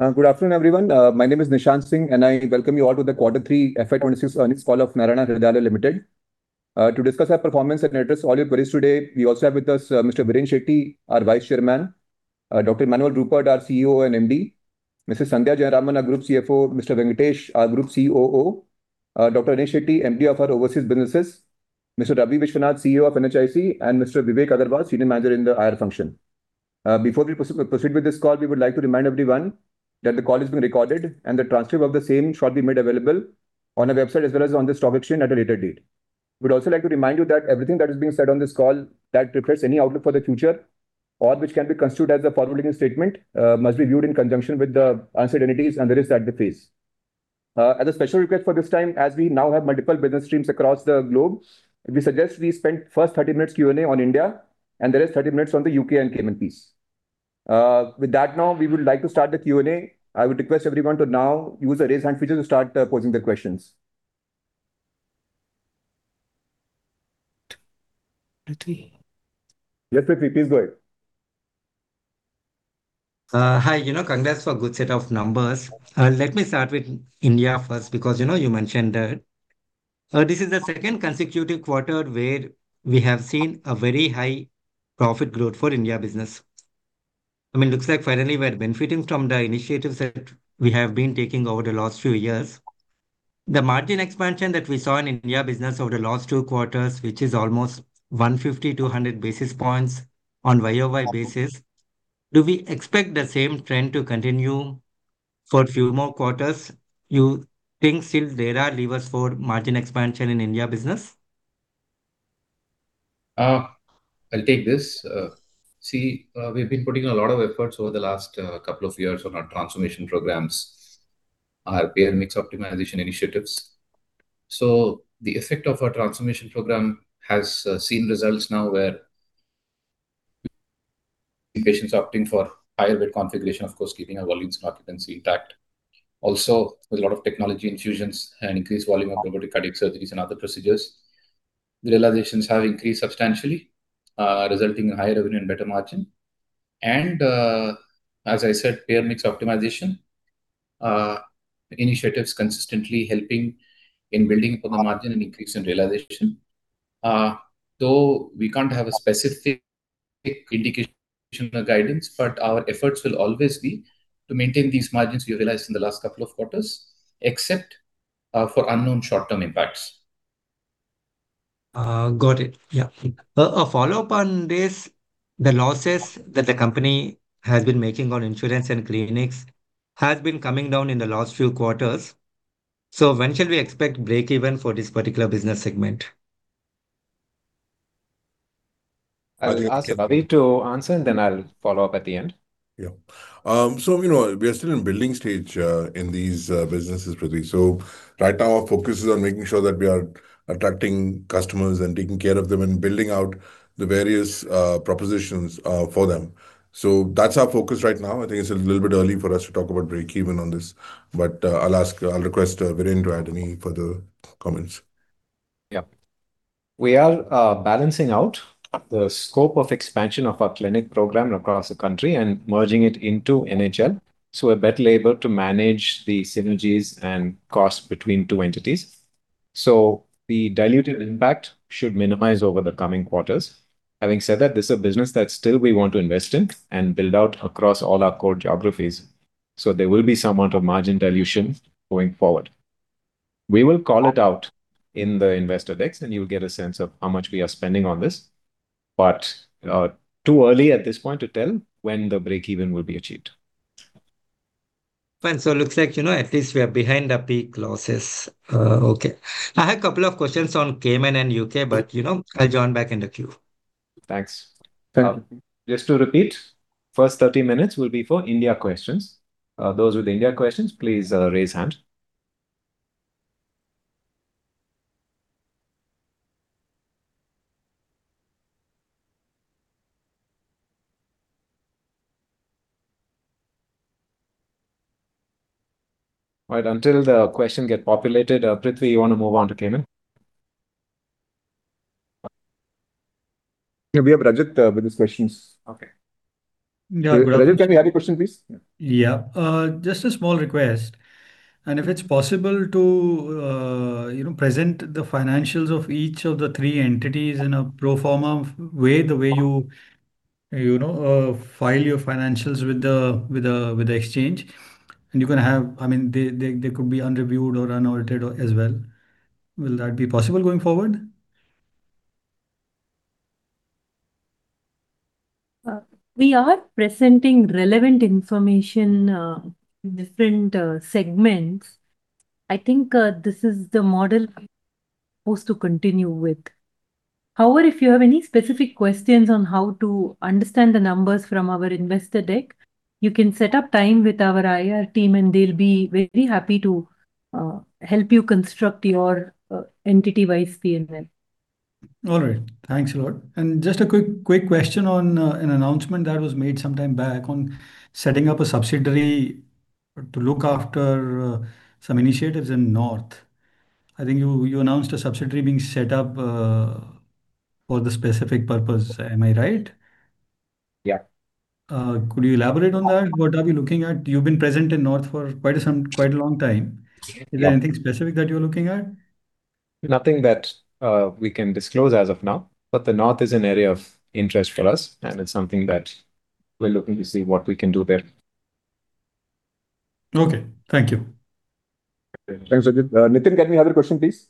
Good afternoon, everyone. My name is Nishant Singh, and I welcome you all to the Quarter Three FY 2026 Earnings Call of Narayana Hrudayalaya Limited. To discuss our performance and address all your queries today, we also have with us, Mr. Viren Shetty, our Vice Chairman, Dr. Emmanuel Rupert, our CEO and MD, Mrs. Sandhya Jayaraman, our Group CFO, Mr. Venkatesh, our Group COO, Dr. Anesh Shetty, MD of our overseas businesses, Mr. Ravi Vishwanath, CEO of NHIC, and Mr. Vivek Agarwal, Senior Manager in the IR function. Before we proceed with this call, we would like to remind everyone that the call is being recorded, and the transcript of the same shall be made available on our website as well as on the stock exchange at a later date. We'd also like to remind you that everything that is being said on this call that reflects any outlook for the future or which can be construed as a forward-looking statement must be viewed in conjunction with the uncertainties and the risks that they face. As a special request for this time, as we now have multiple business streams across the globe, we suggest we spend first 30 minutes Q&A on India and the rest 30 minutes on the U.K. and Cayman piece. With that, now we would like to start the Q&A. I would request everyone to now use the Raise Hand feature to start posing the questions. Prithvi. Yes, Prithvi, please go ahead. Hi. You know, congrats for good set of numbers. Let me start with India first, because, you know, you mentioned that this is the second consecutive quarter where we have seen a very high profit growth for India business. I mean, looks like finally we're benefiting from the initiatives that we have been taking over the last few years. The margin expansion that we saw in India business over the last two quarters, which is almost 150-200 basis points on YOY basis, do we expect the same trend to continue for a few more quarters? You think still there are levers for margin expansion in India business? I'll take this. See, we've been putting a lot of efforts over the last couple of years on our transformation programs, our payer mix optimization initiatives. So the effect of our transformation program has seen results now where patients are opting for higher bed configuration, of course, keeping our volumes and occupancy intact. Also, with a lot of technology infusions and increased volume of robotic cardiac surgeries and other procedures, the realizations have increased substantially, resulting in higher revenue and better margin. And, as I said, payer mix optimization initiatives consistently helping in building up the margin and increase in realization. Though we can't have a specific indication or guidance, but our efforts will always be to maintain these margins we realized in the last couple of quarters, except for unknown short-term impacts. Got it. Yeah. A follow-up on this, the losses that the company has been making on insurance and clinics has been coming down in the last few quarters. So when shall we expect break even for this particular business segment? I'll ask Ravi to answer, and then I'll follow up at the end. Yeah. So, you know, we are still in building stage in these businesses, Prithvi. So right now, our focus is on making sure that we are attracting customers and taking care of them and building out the various propositions for them. So that's our focus right now. I think it's a little bit early for us to talk about break even on this. But, I'll ask, I'll request Viren to add any further comments. Yeah. We are balancing out the scope of expansion of our clinic program across the country and merging it into NHL, so we're better able to manage the synergies and costs between two entities. So the diluted impact should minimize over the coming quarters. Having said that, this is a business that still we want to invest in and build out across all our core geographies, so there will be some amount of margin dilution going forward. We will call it out in the investor decks, and you'll get a sense of how much we are spending on this. But, too early at this point to tell when the break even will be achieved. Fine. So looks like, you know, at least we are behind the peak losses. Okay. I had a couple of questions on Cayman and U.K., but, you know, I'll join back in the queue. Thanks. Thank you. Just to repeat, first 30 minutes will be for India questions. Those with India questions, please, raise hand. All right, until the questions get populated, Prithvi, you want to move on to Cayman? Yeah, we have Rajat with his questions. Okay. Yeah, Rajat, can you add your question, please? Yeah. Just a small request, and if it's possible to, you know, present the financials of each of the three entities in a pro forma way, the way you, you know, file your financials with the exchange. And you can have... I mean, they could be unreviewed or unaudited as well. Will that be possible going forward? We are presenting relevant information in different segments. I think this is the model we're supposed to continue with. However, if you have any specific questions on how to understand the numbers from our investor deck, you can set up time with our IR team, and they'll be very happy to help you construct your entity-wise P&L. All right. Thanks a lot. And just a quick, quick question on, an announcement that was made some time back on setting up a subsidiary to look after, some initiatives in North. I think you, you announced a subsidiary being set up. For the specific purpose. Am I right? Yeah. Could you elaborate on that? What are we looking at? You've been present in North for quite some time, quite a long time. Yeah. Is there anything specific that you're looking at? Nothing that we can disclose as of now, but the North is an area of interest for us, and it's something that we're looking to see what we can do there. Okay, thank you. Thanks, Ajit. Nitin, get any other question, please.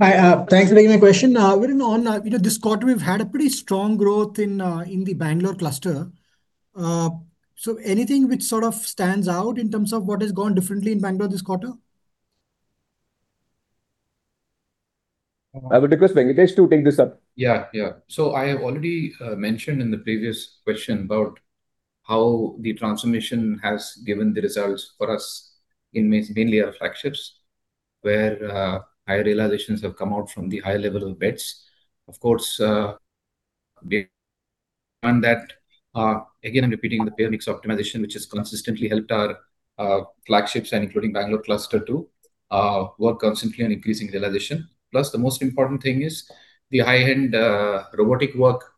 Hi, thanks for taking my question. You know, this quarter, we've had a pretty strong growth in the Bangalore cluster. So, anything which sort of stands out in terms of what has gone differently in Bangalore this quarter? I would request Venkatesh to take this up. Yeah. Yeah. So I have already mentioned in the previous question about how the transformation has given the results for us in mainly our flagships, where high realizations have come out from the high level of beds. Of course, and that, again, I'm repeating the payer mix optimization, which has consistently helped our flagships and including Bangalore cluster, too, work constantly on increasing realization. Plus, the most important thing is the high-end robotic work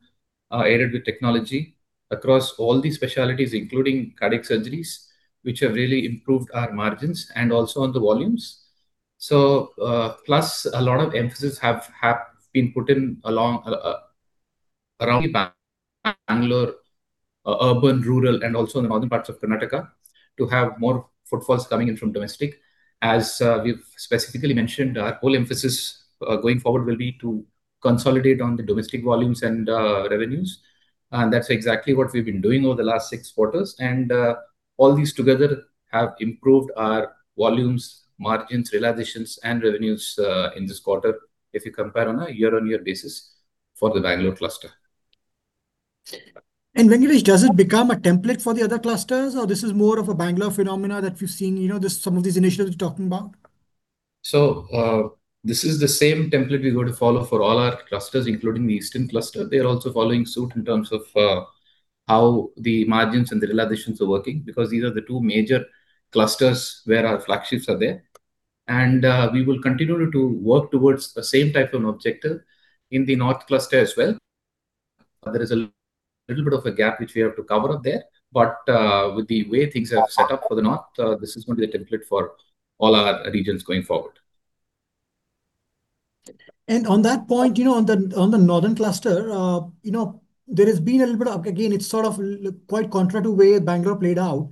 aided with technology across all the specialties, including cardiac surgeries, which have really improved our margins and also on the volumes. So, plus, a lot of emphasis have been put in all around Bangalore, urban, rural, and also in the northern parts of Karnataka, to have more footfalls coming in from domestic. As we've specifically mentioned, our whole emphasis going forward will be to consolidate on the domestic volumes and revenues, and that's exactly what we've been doing over the last six quarters. All these together have improved our volumes, margins, realizations, and revenues in this quarter if you compare on a year-on-year basis for the Bangalore cluster. Venkatesh, does it become a template for the other clusters, or this is more of a Bangalore phenomenon that we've seen, you know, this - some of these initiatives we're talking about? So, this is the same template we're going to follow for all our clusters, including the Eastern cluster. They are also following suit in terms of how the margins and the realizations are working, because these are the two major clusters where our flagships are there. And, we will continue to work towards the same type of an objective in the North cluster as well. There is a little bit of a gap which we have to cover up there, but, with the way things are set up for the North, this is going to be the template for all our regions going forward. On that point, you know, on the Northern cluster, you know, there has been a little bit of... Again, it's sort of quite contrary to the way Bangalore played out.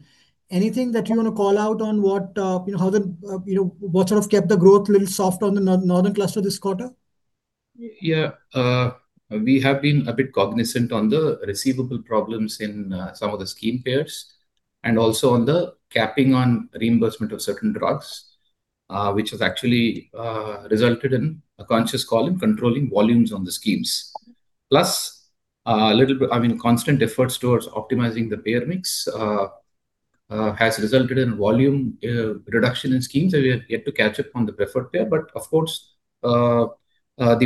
Anything that you want to call out on what, you know, how the, you know, what sort of kept the growth a little soft on the Northern cluster this quarter? Yeah, we have been a bit cognizant on the receivable problems in some of the scheme payers, and also on the capping on reimbursement of certain drugs, which has actually resulted in a conscious call in controlling volumes on the schemes. Plus, a little bit, I mean, constant efforts towards optimizing the payer mix has resulted in volume reduction in schemes, and we are yet to catch up on the preferred payer. But of course, the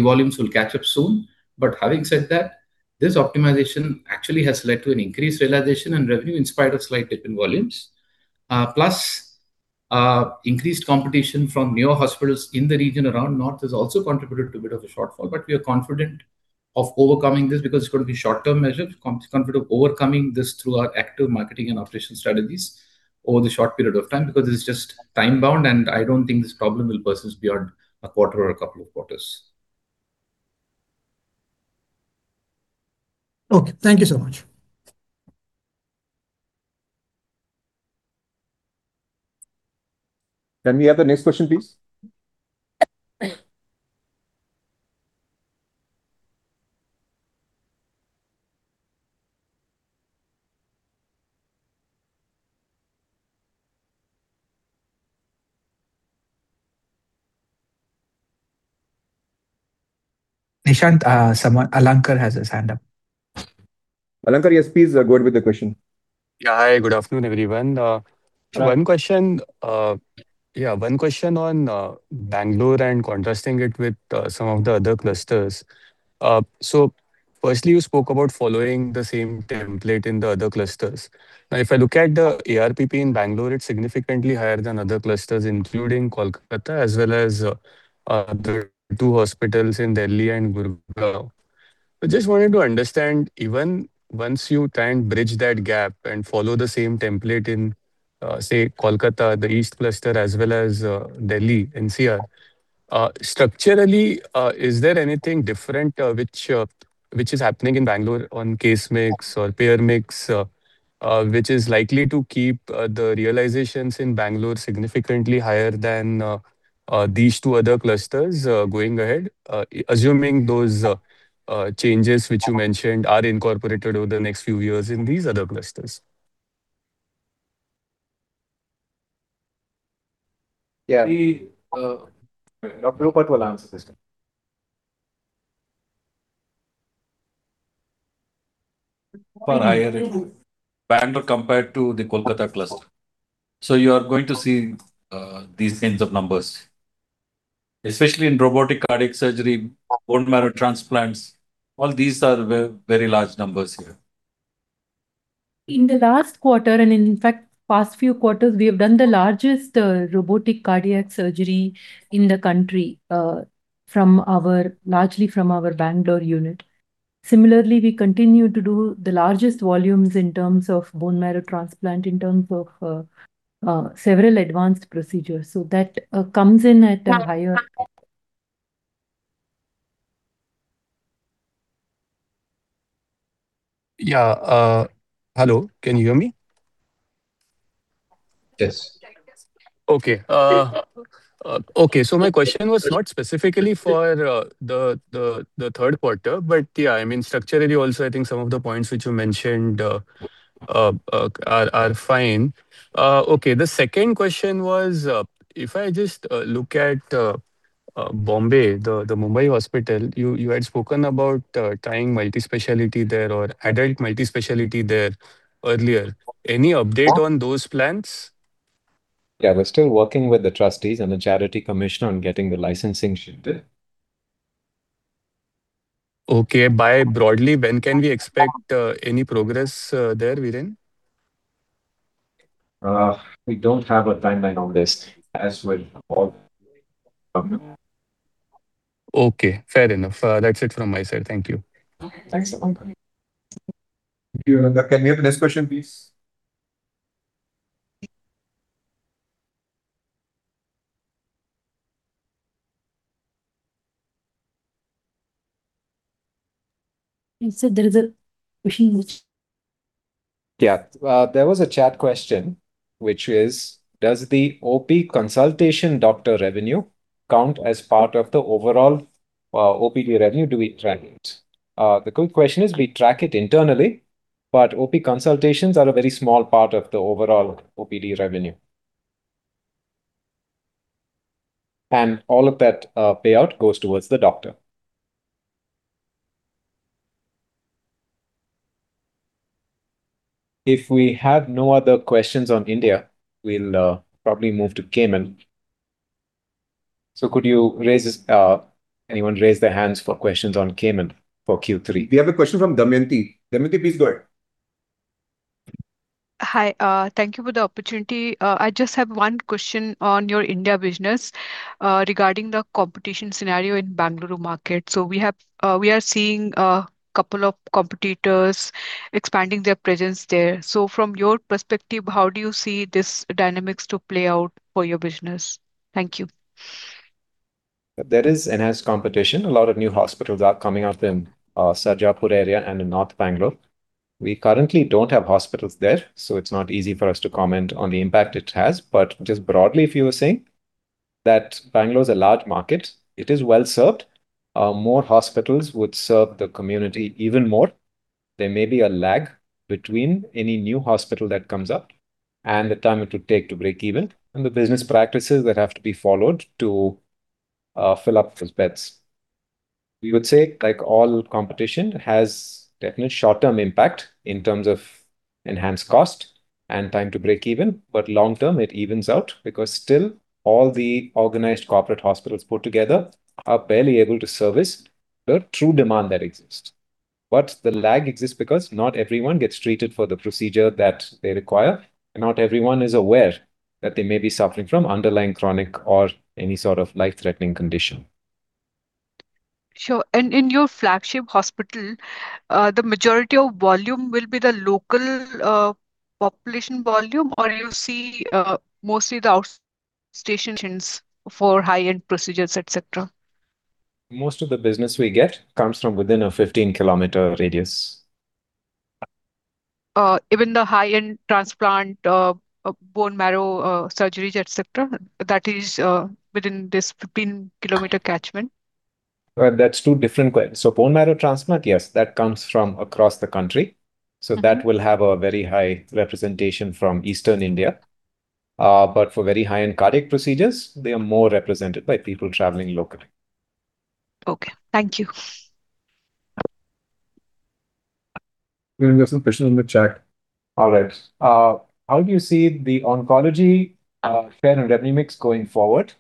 volumes will catch up soon. But having said that, this optimization actually has led to an increased realization and revenue in spite of slight dip in volumes. Plus, increased competition from newer hospitals in the region around North has also contributed to a bit of a shortfall, but we are confident of overcoming this because it's going to be short-term measure. Confident of overcoming this through our active marketing and operation strategies over the short period of time, because this is just time-bound, and I don't think this problem will persist beyond a quarter or a couple of quarters. Okay. Thank you so much. Can we have the next question, please? Nishant, someone, Alankar, has his hand up. Alankar, yes, please, go ahead with the question. Yeah. Hi, good afternoon, everyone. Hi. One question, yeah, one question on Bangalore and contrasting it with some of the other clusters. So firstly, you spoke about following the same template in the other clusters. Now, if I look at the ARPP in Bangalore, it's significantly higher than other clusters, including Kolkata, as well as other two hospitals in Delhi and Gurgaon. I just wanted to understand, even once you try and bridge that gap and follow the same template in, say, Kolkata, the East cluster, as well as Delhi, NCR, structurally, is there anything different, which, which is happening in Bangalore on case mix or payer mix, which is likely to keep the realizations in Bangalore significantly higher than these two other clusters, going ahead? Assuming those changes which you mentioned are incorporated over the next few years in these other clusters. Yeah. We Dr. Rupert to answer this one. Far higher in Bangalore compared to the Kolkata cluster. So you are going to see these kinds of numbers, especially in robotic cardiac surgery, bone marrow transplants, all these are very large numbers here. In the last quarter, and in fact, past few quarters, we have done the largest robotic cardiac surgery in the country from our—largely from our Bangalore unit. Similarly, we continue to do the largest volumes in terms of bone marrow transplant, in terms of several advanced procedures. So that comes in at a higher. Yeah, hello, can you hear me? Yes. Okay, okay, so my question was not specifically for the third quarter, but yeah, I mean, structurally also, I think some of the points which you mentioned are fine. Okay, the second question was, if I just look at Bombay, the Mumbai hospital, you had spoken about trying multispecialty there or adult multispecialty there earlier. Any update on those plans? Yeah, we're still working with the trustees and the Charity Commissioner on getting the licensing shifted. Okay. By broadly, when can we expect any progress there, Viren? We don't have a timeline on this, as with all of them. Okay, fair enough. That's it from my side. Thank you. Thanks. Thank you. Can we have the next question, please? Yeah, there was a chat question, which is: Does the OP consultation doctor revenue count as part of the overall, OPD revenue? Do we track it? The quick question is, we track it internally, but OP consultations are a very small part of the overall OPD revenue. And all of that, payout goes towards the doctor. If we have no other questions on India, we'll, probably move to Cayman. So could you raise this... Anyone raise their hands for questions on Cayman for Q3? We have a question from Damayanti. Damayanti, please go ahead. Hi, thank you for the opportunity. I just have one question on your India business, regarding the competition scenario in Bengaluru market. So we are seeing a couple of competitors expanding their presence there. So from your perspective, how do you see this dynamics to play out for your business? Thank you. There is enhanced competition. A lot of new hospitals are coming out in, Sarjapur area and in North Bangalore. We currently don't have hospitals there, so it's not easy for us to comment on the impact it has. But just broadly, if you were saying, that Bangalore is a large market, it is well served. More hospitals would serve the community even more. There may be a lag between any new hospital that comes up and the time it would take to break even, and the business practices that have to be followed to, fill up those beds. We would say, like all competition, it has definite short-term impact in terms of enhanced cost and time to break even, but long term, it evens out, because still, all the organized corporate hospitals put together are barely able to service the true demand that exists. But the lag exists because not everyone gets treated for the procedure that they require, and not everyone is aware that they may be suffering from underlying chronic or any sort of life-threatening condition. Sure. And in your flagship hospital, the majority of volume will be the local, population volume, or you see, mostly the outstations for high-end procedures, et cetera? Most of the business we get comes from within a 15-kilometer radius. Even the high-end transplant, bone marrow, surgeries, et cetera, that is, within this 15-kilometer catchment? Well, that's two different. So bone marrow transplant, yes, that comes from across the country. Mm-hmm. So that will have a very high representation from Eastern India. But for very high-end cardiac procedures, they are more represented by people traveling locally. Okay. Thank you. We have some questions in the chat. All right. How do you see the oncology share and revenue mix going forward?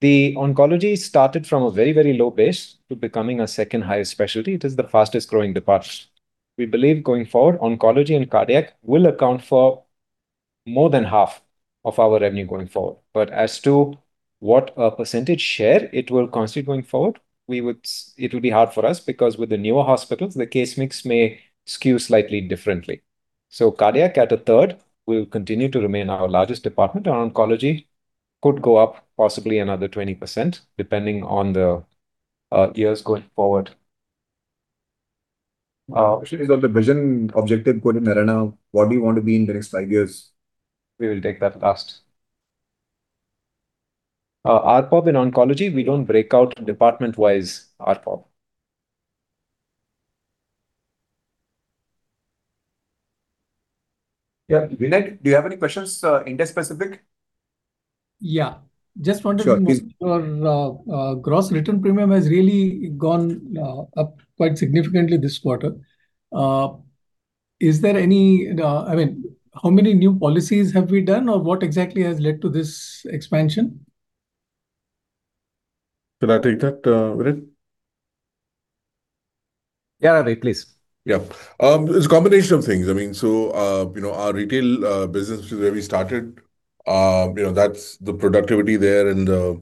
The oncology started from a very, very low base to becoming our second highest specialty. It is the fastest growing department. We believe, going forward, oncology and cardiac will account for more than half of our revenue going forward. But as to what a percentage share it will constitute going forward, we would, it would be hard for us, because with the newer hospitals, the case mix may skew slightly differently. So cardiac, at a third, will continue to remain our largest department. Our oncology could go up possibly another 20%, depending on the years going forward. Question is on the vision objective going ahead now. What do you want to be in the next five years? We will take that last. ARPOB in oncology, we don't break out department-wise ARPOB. Yeah, Vinay, do you have any questions, India specific? Yeah. Sure. Just wondering, your gross written premium has really gone up quite significantly this quarter. I mean, how many new policies have we done, or what exactly has led to this expansion? Can I take that, Viren? Yeah, Ravi, please. Yeah. It's a combination of things. I mean, so, you know, our retail business, which is where we started, you know, that's the productivity there and the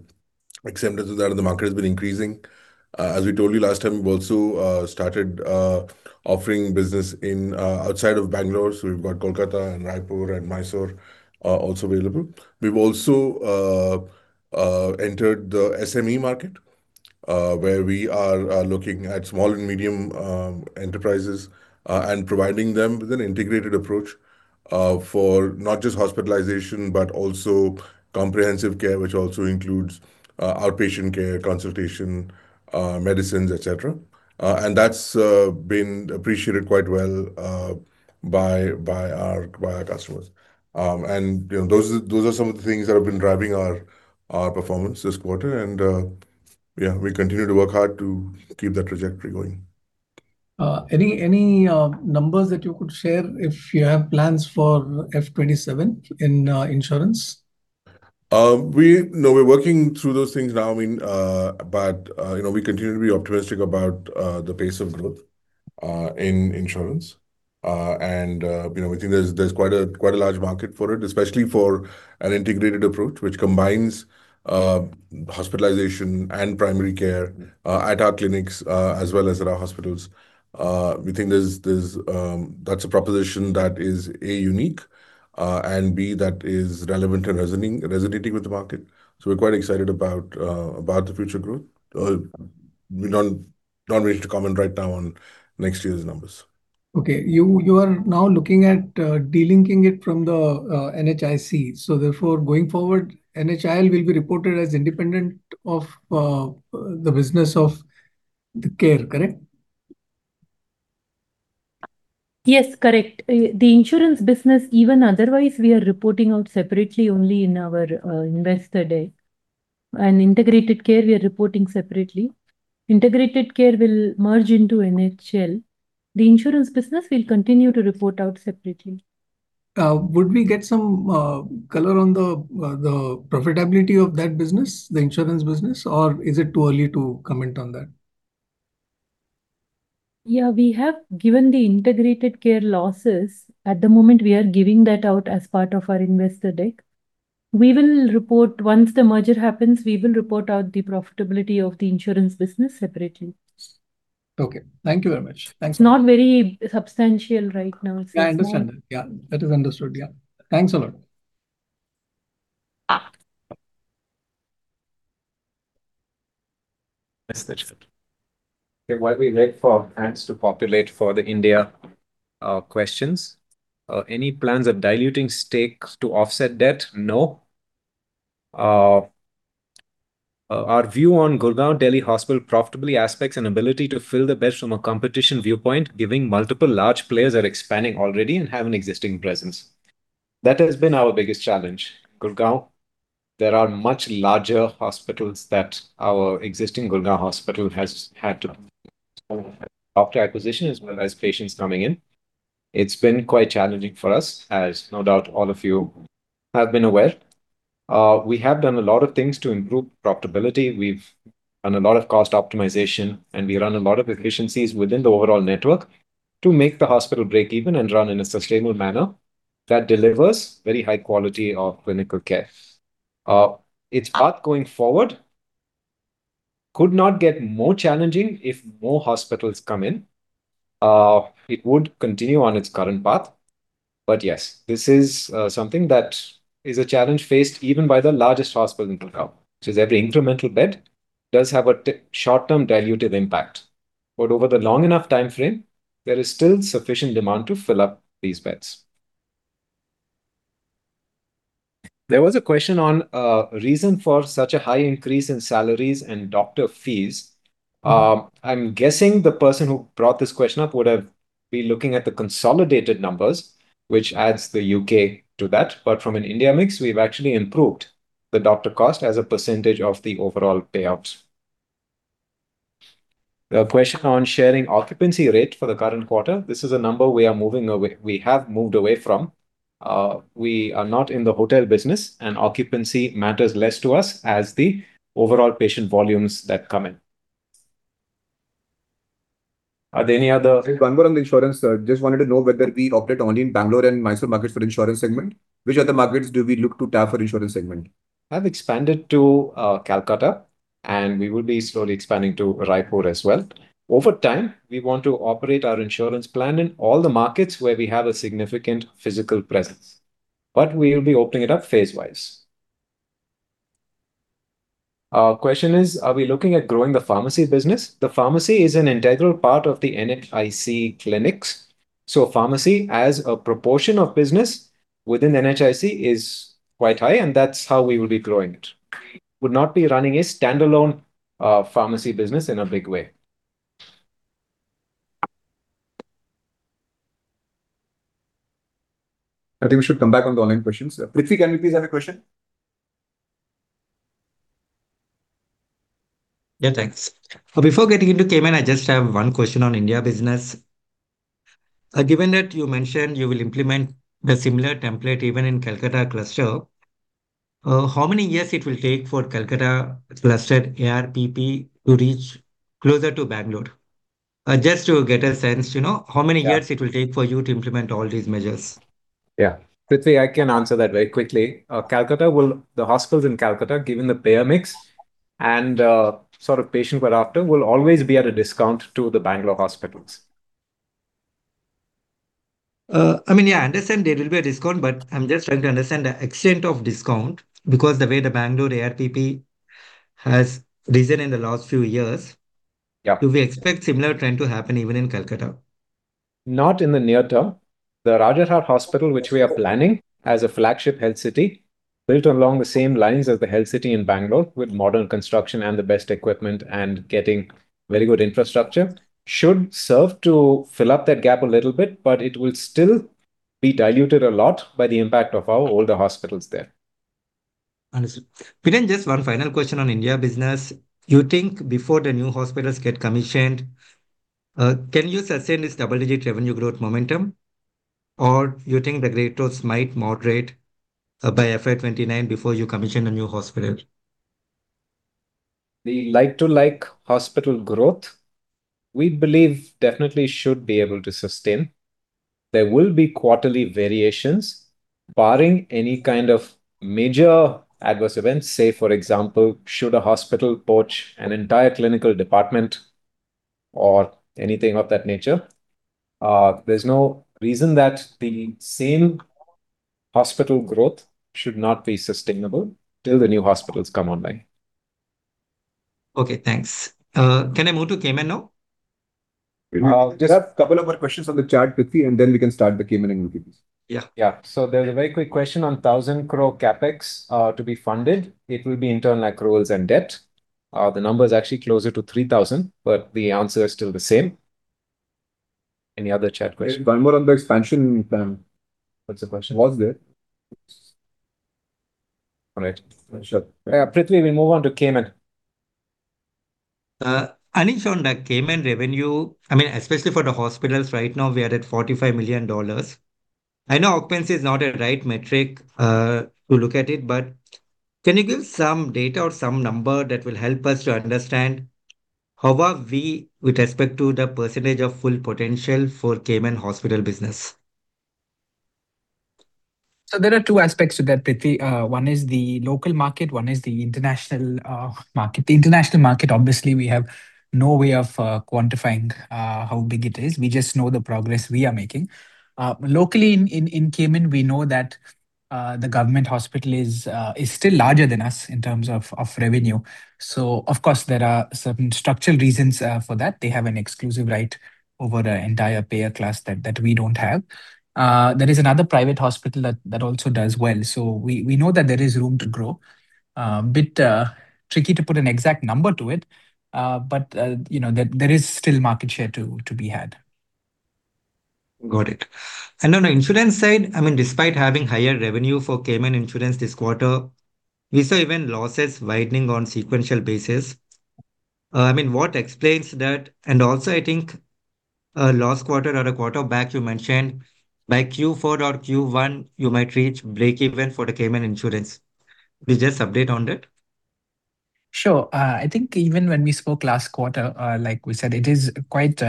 acceptance of that in the market has been increasing. As we told you last time, we've also started offering business in outside of Bangalore. So we've got Kolkata and Raipur and Mysore are also available. We've also entered the SME market, where we are looking at small and medium enterprises, and providing them with an integrated approach for not just hospitalization, but also comprehensive care, which also includes outpatient care, consultation, medicines, et cetera. And that's been appreciated quite well by our customers. You know, those are some of the things that have been driving our performance this quarter. Yeah, we continue to work hard to keep that trajectory going. Any numbers that you could share if you have plans for FY 2027 in insurance? No, we're working through those things now. I mean, but, you know, we continue to be optimistic about the pace of growth in insurance. And, you know, we think there's quite a large market for it, especially for an integrated approach, which combines hospitalization and primary care at our clinics as well as at our hospitals. We think there's... That's a proposition that is, A, unique, and, B, that is relevant and resonating with the market. So we're quite excited about the future growth. We're not ready to comment right now on next year's numbers. Okay. You are now looking at delinking it from the NHIC. So therefore, going forward, NHIL will be reported as independent of the business of the care, correct? Yes, correct. The insurance business, even otherwise, we are reporting out separately only in our investor day. And integrated care, we are reporting separately. Integrated care will merge into NHIL. The insurance business, we'll continue to report out separately. Would we get some color on the profitability of that business, the insurance business, or is it too early to comment on that? Yeah, we have given the integrated care losses. At the moment, we are giving that out as part of our investor deck. We will report. Once the merger happens, we will report out the profitability of the insurance business separately. Okay. Thank you very much. Thanks a lot. It's not very substantial right now. It's small. I understand that. Yeah, that is understood. Yeah. Thanks a lot. Okay, while we wait for our participants to populate for the India questions. Any plans of diluting stake to offset debt? No. Our view on Gurgaon Delhi Hospital profitability aspects and ability to fill the beds from a competition viewpoint, given multiple large players are expanding already and have an existing presence. That has been our biggest challenge. Gurgaon, there are much larger hospitals that our existing Gurgaon hospital has had to do doctor acquisition as well as patients coming in. It's been quite challenging for us, as no doubt all of you have been aware. We have done a lot of things to improve profitability. We've done a lot of cost optimization, and we run a lot of efficiencies within the overall network to make the hospital break even and run in a sustainable manner that delivers very high quality of clinical care. Its path going forward could not get more challenging if more hospitals come in. It would continue on its current path. But yes, this is something that is a challenge faced even by the largest hospital in Gurgaon, which is every incremental bed does have a short-term dilutive impact. But over the long enough timeframe, there is still sufficient demand to fill up these beds. There was a question on reason for such a high increase in salaries and doctor fees. I'm guessing the person who brought this question up would have been looking at the consolidated numbers, which adds the U.K. to that. But from an India mix, we've actually improved the doctor cost as a percentage of the overall payouts. The question on sharing occupancy rate for the current quarter, this is a number we are moving away—we have moved away from. We are not in the hotel business, and occupancy matters less to us as the overall patient volumes that come in. Are there any other. One more on the insurance. Just wanted to know whether we operate only in Bangalore and Mysore markets for insurance segment. Which other markets do we look to tap for insurance segment? I've expanded to, Calcutta, and we will be slowly expanding to Raipur as well. Over time, we want to operate our insurance plan in all the markets where we have a significant physical presence, but we will be opening it up phase-wise. Our question is: Are we looking at growing the pharmacy business? The pharmacy is an integral part of the NHIC clinics, so pharmacy as a proportion of business within NHIC is quite high, and that's how we will be growing it. We would not be running a standalone, pharmacy business in a big way. I think we should come back on the online questions. Prithvi, can we please have a question? Yeah, thanks. Before getting into Cayman, I just have one question on India business. Given that you mentioned you will implement the similar template even in Kolkata cluster, how many years it will take for Kolkata cluster's ARPP to reach closer to Bangalore? Just to get a sense, you know, how many years- Yeah. It will take for you to implement all these measures? Yeah. Prithvi, I can answer that very quickly. The hospitals in Kolkata, given the payer mix and, sort of patient we're after, will always be at a discount to the Bangalore hospitals. I mean, yeah, I understand there will be a discount, but I'm just trying to understand the extent of discount, because the way the Bangalore ARPP has risen in the last few years. Yeah. Do we expect similar trend to happen even in Kolkata? Not in the near term. The Rajajinagar Hospital, which we are planning as a flagship Health City, built along the same lines as the Health City in Bangalore, with modern construction and the best equipment and getting very good infrastructure, should serve to fill up that gap a little bit, but it will still be diluted a lot by the impact of our older hospitals there. Understood. Viren, just one final question on India business. You think before the new hospitals get commissioned, can you sustain this double-digit revenue growth momentum? Or you think the growth rates might moderate, by FY 2029 before you commission a new hospital? The like-to-like hospital growth, we believe definitely should be able to sustain. There will be quarterly variations, barring any kind of major adverse events. Say, for example, should a hospital poach an entire clinical department or anything of that nature, there's no reason that the same hospital growth should not be sustainable till the new hospitals come online. Okay, thanks. Can I move to Cayman now? Just a couple of more questions on the chat, Prithvi, and then we can start the Cayman and UK piece. Yeah. Yeah. There's a very quick question on 1,000 crore CapEx to be funded. It will be internal accruals and debt. The number is actually closer to 3,000, but the answer is still the same. Any other chat questions? One more on the expansion plan. What's the question? Was there. All right. Sure. Yeah, Prithvi, we move on to Cayman. Anesh, on the Cayman revenue, I mean, especially for the hospitals, right now, we are at $45 million. I know occupancy is not a right metric to look at it, but can you give some data or some number that will help us to understand how are we with respect to the percentage of full potential for Cayman hospital business? So there are two aspects to that, Prithvi. One is the local market, one is the international market. The international market, obviously, we have no way of quantifying how big it is. We just know the progress we are making. Locally in Cayman, we know that the government hospital is still larger than us in terms of revenue. So of course, there are certain structural reasons for that. They have an exclusive right over the entire payer class that we don't have. There is another private hospital that also does well. So we know that there is room to grow. A bit tricky to put an exact number to it, but you know, there is still market share to be had. Got it. On the insurance side, I mean, despite having higher revenue for Cayman Insurance this quarter, we saw even losses widening on sequential basis. I mean, what explains that? And also, I think, last quarter or the quarter back, you mentioned by Q4 or Q1, you might reach break even for the Cayman Insurance. Please just update on that. Sure. I think even when we spoke last quarter, like we said, it is quite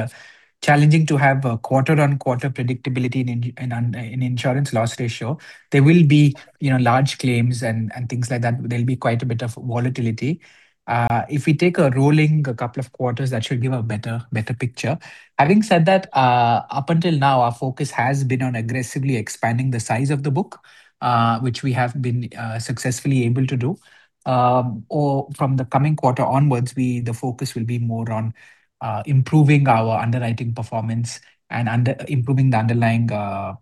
challenging to have a quarter-on-quarter predictability in insurance loss ratio. There will be, you know, large claims and things like that. There'll be quite a bit of volatility. If we take a rolling couple of quarters, that should give a better picture. Having said that, up until now, our focus has been on aggressively expanding the size of the book, which we have been successfully able to do. From the coming quarter onwards, we the focus will be more on improving our underwriting performance and improving the underlying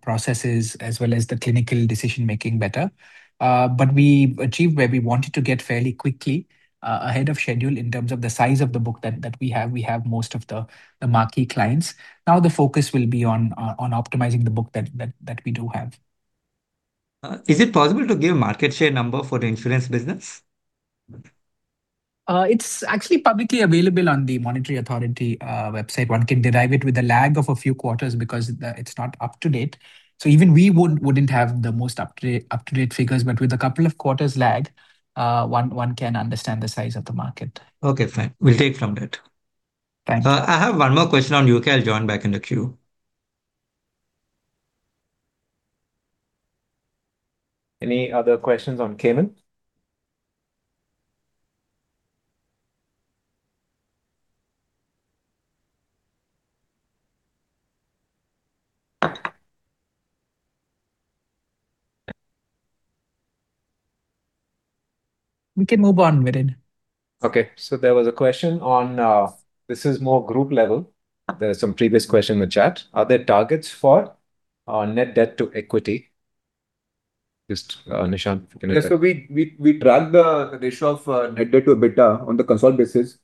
processes, as well as the clinical decision-making better. But we achieved where we wanted to get fairly quickly, ahead of schedule in terms of the size of the book that we have. We have most of the marquee clients. Now the focus will be on optimizing the book that we do have. Is it possible to give market share number for the insurance business? It's actually publicly available on the Monetary Authority website. One can derive it with a lag of a few quarters because it's not up-to-date. So even we wouldn't have the most up-to-date figures, but with a couple of quarters lag, one can understand the size of the market. Okay, fine. We'll take from that. Thanks. I have one more question on U.K. I'll join back in the queue. Any other questions on Cayman? We can move on, Viren. Okay, so there was a question on. This is more group level. There are some previous question in the chat. Are there targets for net debt to equity? Just, Nishant, can I. Yes, so we track the ratio of net debt to EBITDA on the consolidated basis,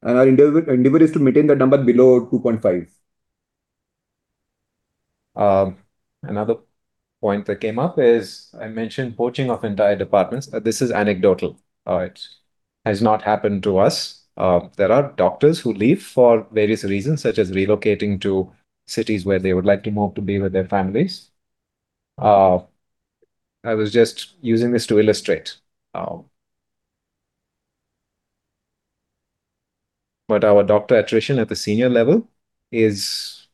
and our endeavor is to maintain the number below 2.5. Another point that came up is, I mentioned poaching of entire departments. This is anecdotal. It has not happened to us. There are doctors who leave for various reasons, such as relocating to cities where they would like to move to be with their families. I was just using this to illustrate. But our doctor attrition at the senior level is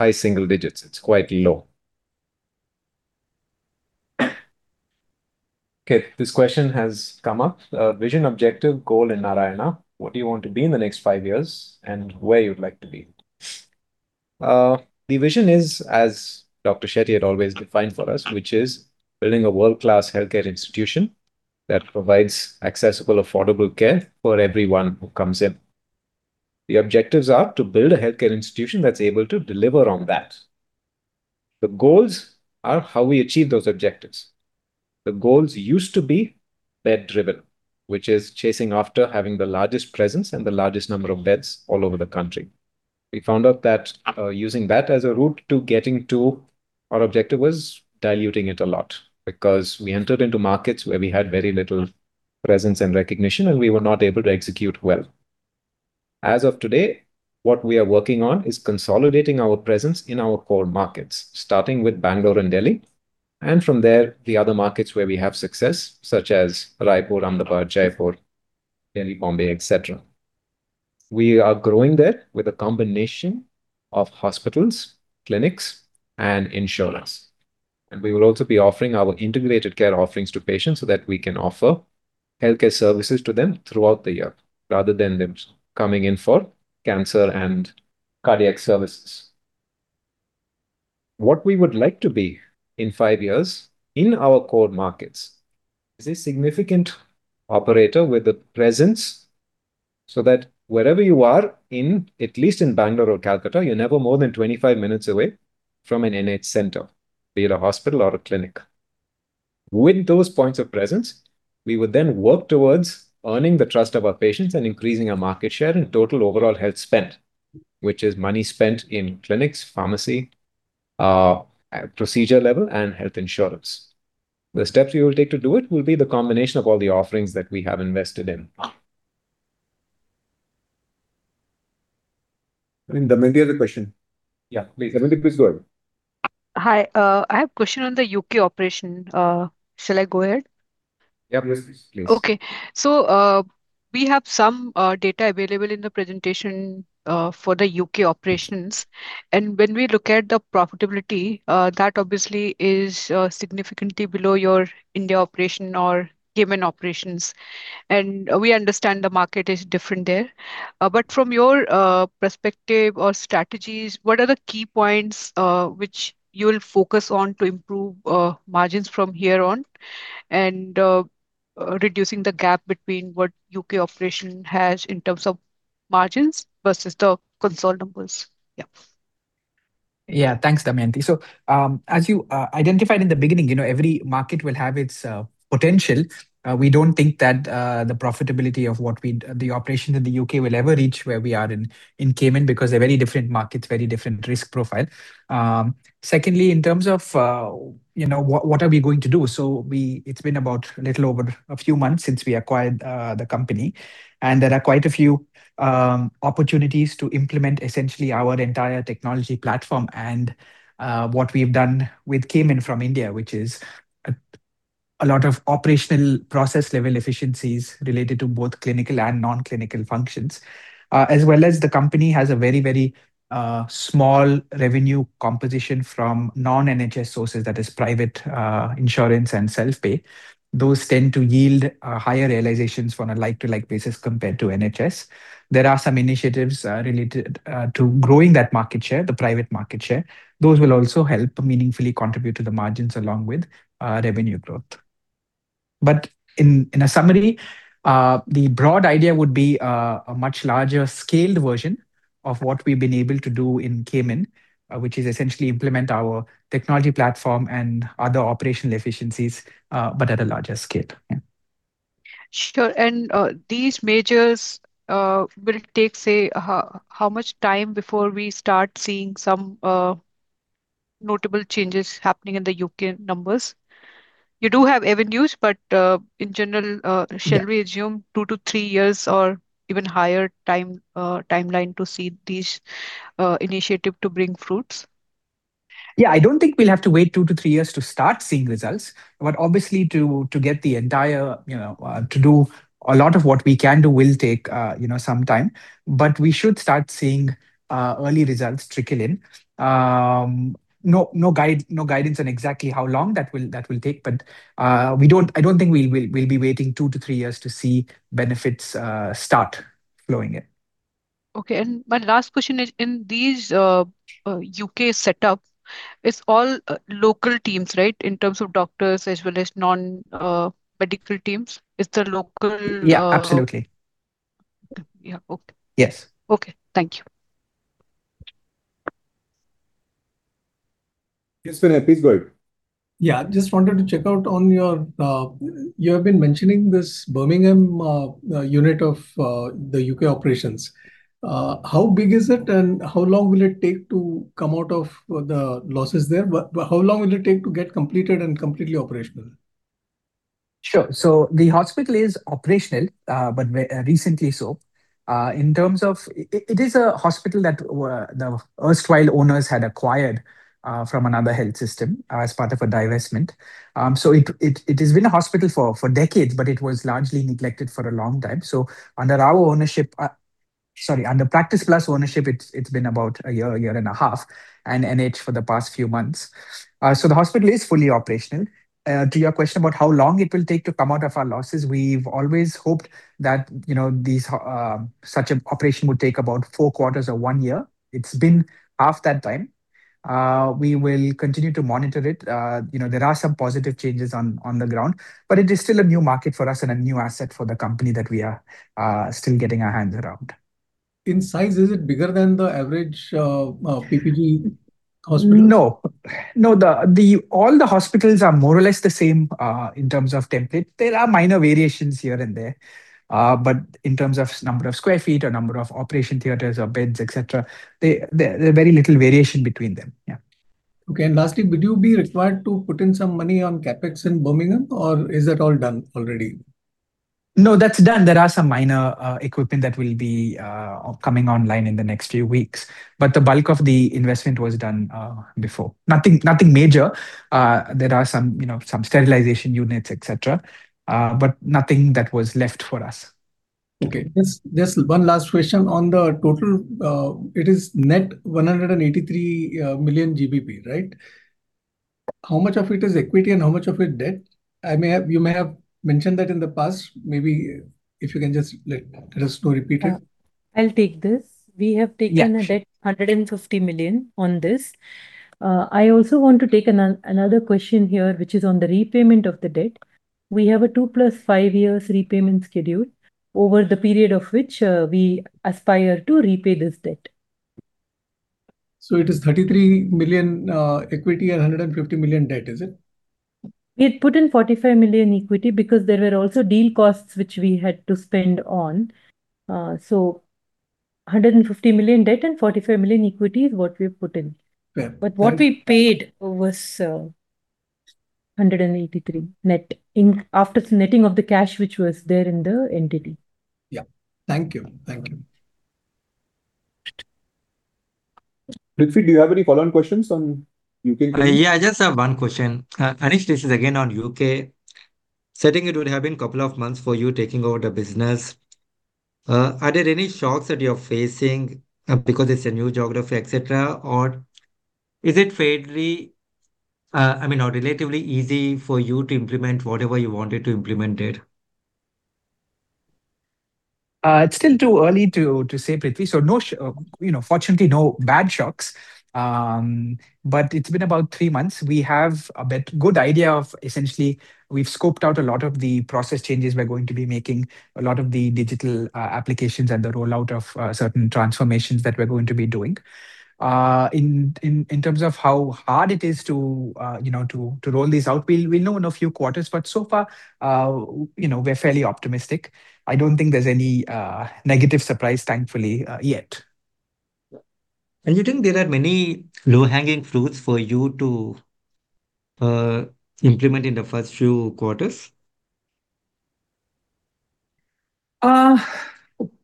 high single digits. It's quite low. Okay, this question has come up. "Vision, objective, goal in Narayana. What do you want to be in the next five years, and where you'd like to be?" The vision is, as Dr. Shetty had always defined for us, which is building a world-class healthcare institution that provides accessible, affordable care for everyone who comes in. The objectives are to build a healthcare institution that's able to deliver on that. The goals are how we achieve those objectives. The goals used to be bed-driven, which is chasing after having the largest presence and the largest number of beds all over the country. We found out that, using that as a route to getting to our objective was diluting it a lot, because we entered into markets where we had very little presence and recognition, and we were not able to execute well. As of today, what we are working on is consolidating our presence in our core markets, starting with Bangalore and Delhi, and from there, the other markets where we have success, such as Raipur, Ahmedabad, Jaipur, Delhi, Mumbai, et cetera. We are growing there with a combination of hospitals, clinics, and insurance. We will also be offering our integrated care offerings to patients so that we can offer healthcare services to them throughout the year, rather than them coming in for cancer and cardiac services. What we would like to be in five years in our core markets is a significant operator with a presence, so that wherever you are in, at least in Bangalore or Kolkata, you're never more than 25 minutes away from an NH center, be it a hospital or a clinic. With those points of presence, we would then work towards earning the trust of our patients and increasing our market share and total overall health spend, which is money spent in clinics, pharmacy, at procedure level, and health insurance. The steps we will take to do it will be the combination of all the offerings that we have invested in. Damayanti has a question. Yeah, please. Damayanti, please go ahead. Hi, I have a question on the UK operation. Shall I go ahead? Yeah, please, please. Okay. So, we have some data available in the presentation for the UK operations, and when we look at the profitability, that obviously is significantly below your India operation or Cayman operations. And we understand the market is different there. But from your perspective or strategies, what are the key points which you will focus on to improve margins from here on, and reducing the gap between what UK operation has in terms of margins versus the consolidated numbers? Yeah. Yeah. Thanks, Damayanti. So, as you identified in the beginning, you know, every market will have its potential. We don't think that the profitability of what we-- the operation in the UK will ever reach where we are in Cayman, because they're very different markets, very different risk profile. Secondly, in terms of you know, what are we going to do? So we-- it's been about a little over a few months since we acquired the company, and there are quite a few opportunities to implement essentially our entire technology platform and what we've done with Cayman from India, which is a lot of operational process-level efficiencies related to both clinical and non-clinical functions. As well as the company has a very, very small revenue composition from non-NHS sources, that is private insurance and self-pay. Those tend to yield higher realizations on a like-to-like basis compared to NHS. There are some initiatives related to growing that market share, the private market share. Those will also help meaningfully contribute to the margins along with revenue growth. But in a summary, the broad idea would be a much larger scaled version of what we've been able to do in Cayman, which is essentially implement our technology platform and other operational efficiencies, but at a larger scale. Yeah. Sure. And these measures will take, say, how much time before we start seeing some notable changes happening in the UK numbers? You do have avenues, but in general. Yeah. Shall we assume two to three years or even higher time, timeline to see these, initiative to bring fruits? Yeah, I don't think we'll have to wait two to three years to start seeing results. But obviously, to get the entire, you know, to do a lot of what we can do will take, you know, some time. But we should start seeing early results trickle in. No guidance on exactly how long that will take, but I don't think we'll be waiting two to three years to see benefits start flowing in. Okay, and my last question is: in these, U.K. setup, it's all, local teams, right? In terms of doctors as well as non, medical teams, it's the local, Yeah, absolutely. Yeah. Okay. Yes. Okay. Thank you. Yes, Sunil, please go ahead. Yeah, just wanted to check out on your... You have been mentioning this Birmingham unit of the U.K. operations. How big is it, and how long will it take to come out of the losses there? What, but how long will it take to get completed and completely operational? Sure. So the hospital is operational, but very recently so. In terms of it, it is a hospital that the erstwhile owners had acquired from another health system as part of a divestment. So it has been a hospital for decades, but it was largely neglected for a long time. So under our ownership, sorry, under Practice Plus ownership, it's been about a year, a year and a half, and NH for the past few months. So the hospital is fully operational. To your question about how long it will take to come out of our losses, we've always hoped that, you know, these such an operation would take about four quarters or one year. It's been half that time. We will continue to monitor it. You know, there are some positive changes on, on the ground, but it is still a new market for us and a new asset for the company that we are still getting our hands around. In size, is it bigger than the average, PPG hospital? No. No, all the hospitals are more or less the same in terms of template. There are minor variations here and there, but in terms of number of square feet or number of operation theaters or beds, et cetera, there are very little variation between them. Yeah. Okay, and lastly, would you be required to put in some money on CapEx in Birmingham, or is that all done already? No, that's done. There are some minor equipment that will be coming online in the next few weeks, but the bulk of the investment was done before. Nothing major. There are some, you know, some sterilization units, et cetera, but nothing that was left for us. Okay. Just, just one last question on the total. It is net 183 million GBP, right? How much of it is equity and how much of it debt? I may have, you may have mentioned that in the past. Maybe if you can just, like, just to repeat it. I'll take this. Yeah. We have taken a debt of 150 million on this. I also want to take another question here, which is on the repayment of the debt. We have a two plus five years repayment schedule over the period of which, we aspire to repay this debt. So it is 33 million equity and 150 million debt, is it? We had put in 45 million equity because there were also deal costs which we had to spend on. 150 million debt and 45 million equity is what we've put in. Fair. What we paid was 183 net after netting of the cash, which was there in the entity. Yeah. Thank you. Thank you. Prithvi, do you have any follow-on questions on UK? Yeah, I just have one question. Anesh, this is again on U.K. Since it would have been a couple of months for you taking over the business, are there any shocks that you're facing, because it's a new geography, et cetera? Or is it fairly, I mean, or relatively easy for you to implement whatever you wanted to implement it? It's still too early to say, Prithvi. So, you know, fortunately, no bad shocks. But it's been about three months. We have a bit good idea of... Essentially, we've scoped out a lot of the process changes we're going to be making, a lot of the digital applications and the rollout of certain transformations that we're going to be doing. In terms of how hard it is to, you know, to roll this out, we'll know in a few quarters, but so far, you know, we're fairly optimistic. I don't think there's any negative surprise, thankfully yet. And you think there are many low-hanging fruits for you to implement in the first few quarters?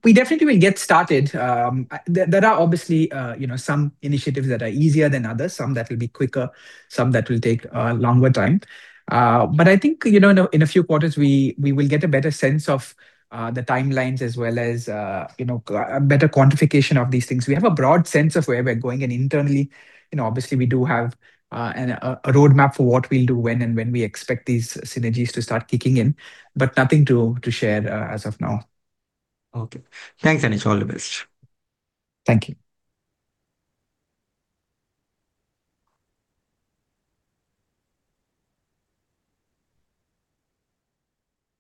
We definitely will get started. There, there are obviously, you know, some initiatives that are easier than others, some that will be quicker, some that will take longer time. But I think, you know, in a, in a few quarters, we, we will get a better sense of the timelines as well as, you know, a better quantification of these things. We have a broad sense of where we're going and internally, you know, obviously, we do have a roadmap for what we'll do when and when we expect these synergies to start kicking in, but nothing to share as of now. Okay. Thanks, Anesh. All the best. Thank you.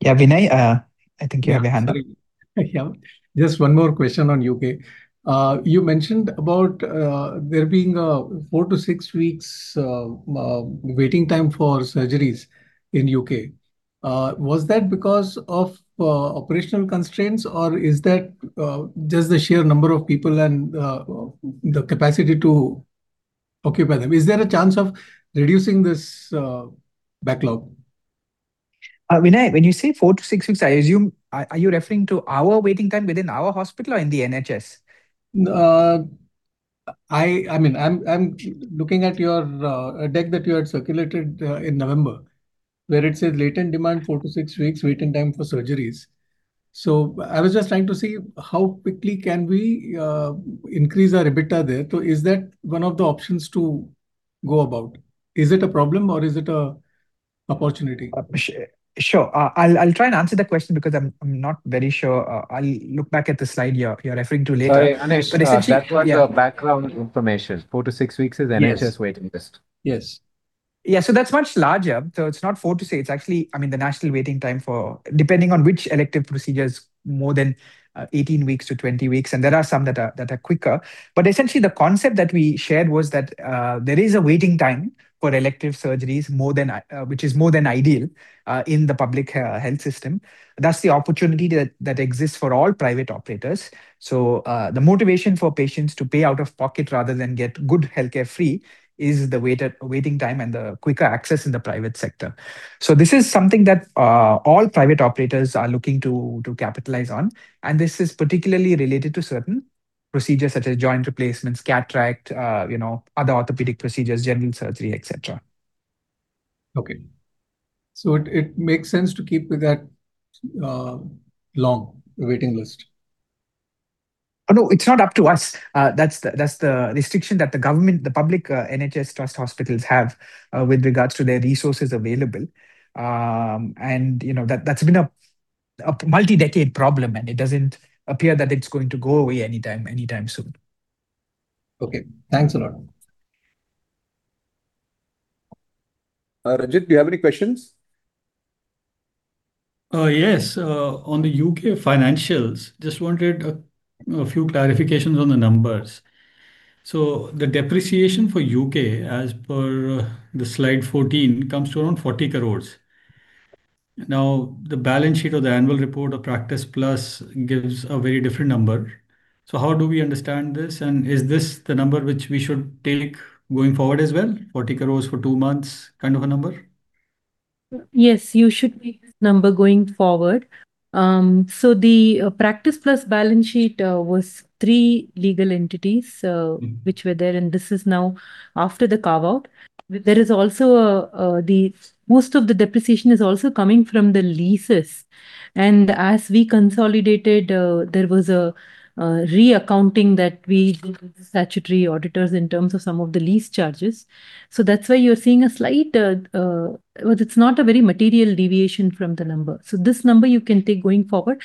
Yeah, Vinay, I think you have your hand up. Sorry. Yeah, just one more question on U.K. You mentioned about there being a four to six weeks waiting time for surgeries in U.K. Was that because of operational constraints, or is that just the sheer number of people and the capacity to occupy them? Is there a chance of reducing this backlog? Vinay, when you say four to six weeks, I assume... Are you referring to our waiting time within our hospital or in the NHS? I mean, I'm looking at your deck that you had circulated in November, where it says, "Latent demand, four to six weeks waiting time for surgeries." So I was just trying to see how quickly can we increase our EBITDA there. So is that one of the options to go about? Is it a problem or is it an opportunity? Sure. I'll try and answer the question because I'm not very sure. I'll look back at the slide you're referring to later. Sorry, Anesh. But essentially. That was a background information. four to six weeks is NHS waiting list. Yes, yes. Yeah, so that's much larger. So it's not four to six, it's actually... I mean, the national waiting time for, depending on which elective procedure, is more than 18-20 weeks, and there are some that are quicker. But essentially, the concept that we shared was that there is a waiting time for elective surgeries more than which is more than ideal in the public health system. That's the opportunity that exists for all private operators. So, the motivation for patients to pay out of pocket rather than get good healthcare free is the waiting time and the quicker access in the private sector. This is something that all private operators are looking to capitalize on, and this is particularly related to certain procedures such as joint replacements, cataract, you know, other orthopedic procedures, general surgery, et cetera. Okay, so it makes sense to keep with that long waiting list? No, it's not up to us. That's the restriction that the government, the public NHS Trust hospitals have with regards to their resources available. You know, that's been a multi-decade problem, and it doesn't appear that it's going to go away anytime soon. Okay. Thanks a lot. Rajit, do you have any questions? Yes. On the UK financials, just wanted a few clarifications on the numbers. So the depreciation for UK, as per the slide 14, comes to around 40 crore. Now, the balance sheet of the annual report of Practice Plus gives a very different number. So how do we understand this, and is this the number which we should take going forward as well, 40 crore for two months kind of a number? Yes, you should take this number going forward. So the Practice Plus balance sheet was three legal entities. Mm. -which were there, and this is now after the carve-out. There is also the most of the depreciation is also coming from the leases, and as we consolidated, there was a reaccounting that we did with the statutory auditors in terms of some of the lease charges. So that's why you're seeing a slight, well, it's not a very material deviation from the number. So this number you can take going forward.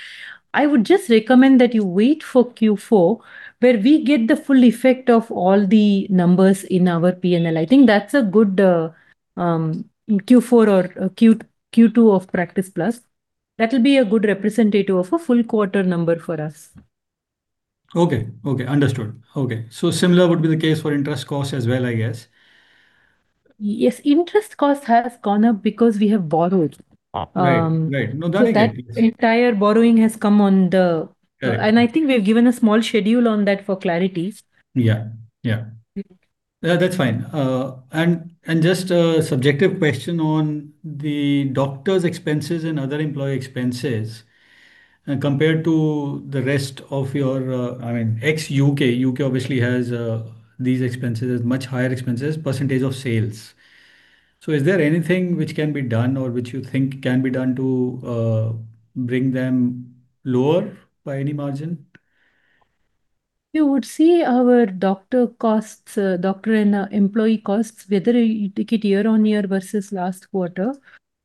I would just recommend that you wait for Q4, where we get the full effect of all the numbers in our P&L. I think that's a good Q4 or Q2 of Practice Plus. That will be a good representative of a full quarter number for us. Okay, okay. Understood. Okay, so similar would be the case for interest costs as well, I guess? Yes. Interest cost has gone up because we have borrowed. Ah, right, right. No, that I get. So that entire borrowing has come on the- Yeah. I think we've given a small schedule on that for clarity. Yeah, yeah. Mm. Yeah, that's fine. And just a subjective question on the doctors' expenses and other employee expenses, compared to the rest of your, I mean, ex U.K. U.K. obviously has these expenses as much higher expenses, percentage of sales. So is there anything which can be done or which you think can be done to bring them lower by any margin? You would see our doctor costs, doctor and employee costs, whether you take it year-on-year versus last quarter,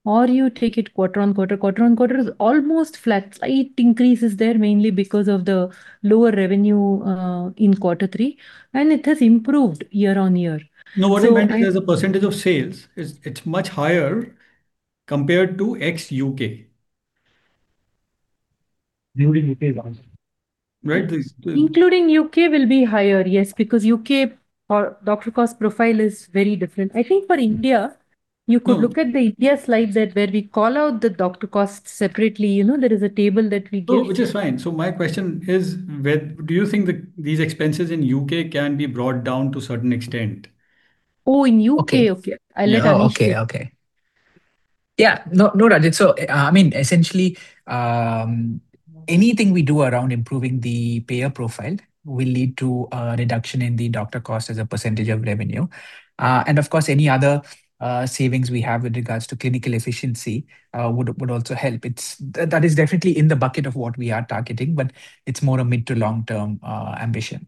or you take it quarter-on-quarter. Quarter-on-quarter is almost flat. Slight increase is there, mainly because of the lower revenue in quarter three, and it has improved year-on-year. So I.. No, what I meant is the percentage of sales is... it's much higher compared to ex UK. Including U.K. as well. Right? Please, Including U.K. will be higher, yes, because U.K. or doctor cost profile is very different. I think for India- Mm. You could look at the India slide deck, where we call out the doctor costs separately. You know, there is a table that we give. No, which is fine. So my question is, whether—do you think the, these expenses in U.K. can be brought down to certain extent? Oh, in U.K.? Okay. Okay, I'll let Anesh. Okay, okay. Yeah. No, no, Rajit, so, I mean, essentially, anything we do around improving the payer profile will lead to a reduction in the doctor cost as a percentage of revenue. And of course, any other savings we have with regards to clinical efficiency would also help. It's that is definitely in the bucket of what we are targeting, but it's more a mid- to long-term ambition.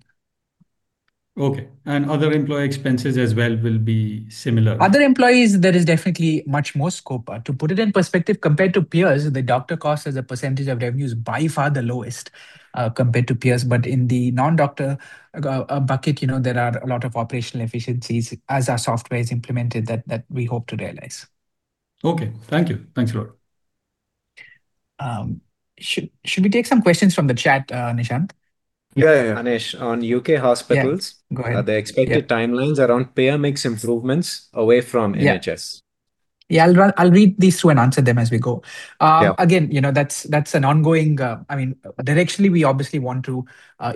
Okay, and other employee expenses as well will be similar? Other employees, there is definitely much more scope. To put it in perspective, compared to peers, the doctor cost as a percentage of revenue is by far the lowest, compared to peers. But in the non-doctor bucket, you know, there are a lot of operational efficiencies as our software is implemented, that we hope to realize. Okay. Thank you. Thanks a lot. Should we take some questions from the chat, Nishant? Yeah, yeah, Anesh, on UK hospitals. Yeah, go ahead. Are there expected timelines around payer mix improvements away from NHS? Yeah. Yeah, I'll read these through and answer them as we go. Yeah. Again, you know, that's, that's an ongoing... I mean, directionally, we obviously want to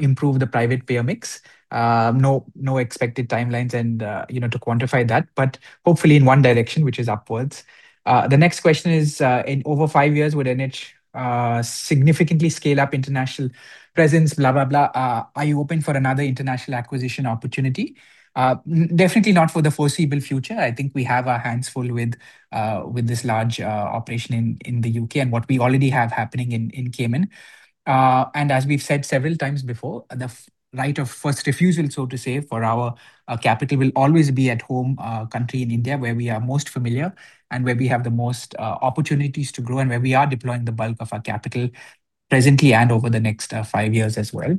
improve the private payer mix. No, no expected timelines and, you know, to quantify that, but hopefully in one direction, which is upwards. The next question is: "In over five years, would NH significantly scale up international presence, blah, blah, blah? Are you open for another international acquisition opportunity?" Definitely not for the foreseeable future. I think we have our hands full with this large operation in the U.K. and what we already have happening in Cayman. As we've said several times before, the right of first refusal, so to say, for our capital will always be at home country, in India, where we are most familiar and where we have the most opportunities to grow, and where we are deploying the bulk of our capital presently and over the next five years as well.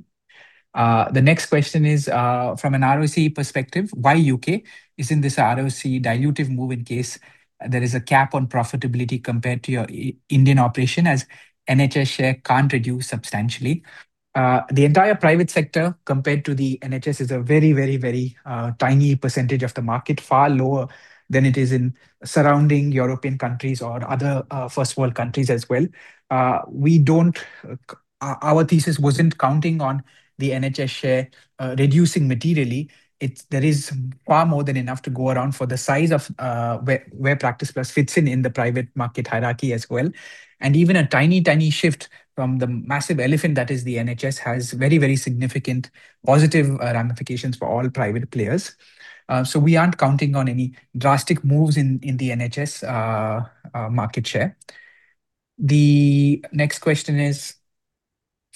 The next question is: "From an ROC perspective, why UK? Isn't this ROC dilutive move in case there is a cap on profitability compared to your Indian operation, as NHS share can't reduce substantially?" The entire private sector, compared to the NHS, is a very, very, very tiny percentage of the market, far lower than it is in surrounding European countries or other first world countries as well. We don't, our thesis wasn't counting on the NHS share reducing materially. There is far more than enough to go around for the size of where Practice Plus fits in in the private market hierarchy as well. And even a tiny, tiny shift from the massive elephant that is the NHS has very, very significant positive ramifications for all private players. So we aren't counting on any drastic moves in the NHS market share. The next question is: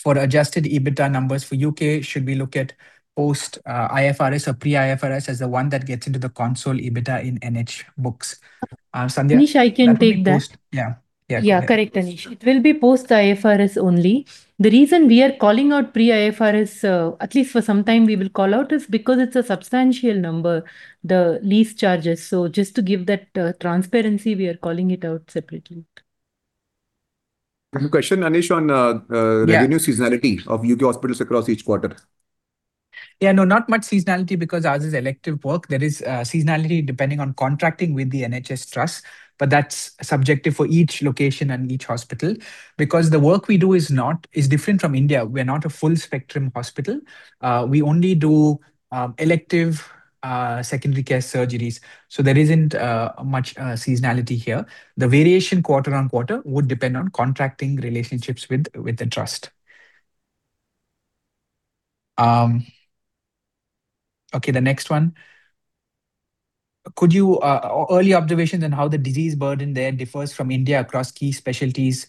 for adjusted EBITDA numbers for UK, should we look at post-IFRS or pre-IFRS as the one that gets into the consolidated EBITDA in NH books? Sandhya- Anesh, I can take that. That will be post. Yeah. Yeah. Yeah, correct, Anesh. It will be post-IFRS only. The reason we are calling out pre-IFRS, at least for some time we will call out, is because it's a substantial number, the lease charges. So just to give that transparency, we are calling it out separately. There's a question, Anesh, on. Yeah. Revenue seasonality of U.K. hospitals across each quarter. Yeah, no, not much seasonality because ours is elective work. There is seasonality depending on contracting with the NHS Trust, but that's subjective for each location and each hospital. Because the work we do is different from India. We are not a full-spectrum hospital. We only do elective secondary care surgeries, so there isn't much seasonality here. The variation quarter on quarter would depend on contracting relationships with the trust. Okay, the next one: Could you... Early observations on how the disease burden there differs from India across key specialties,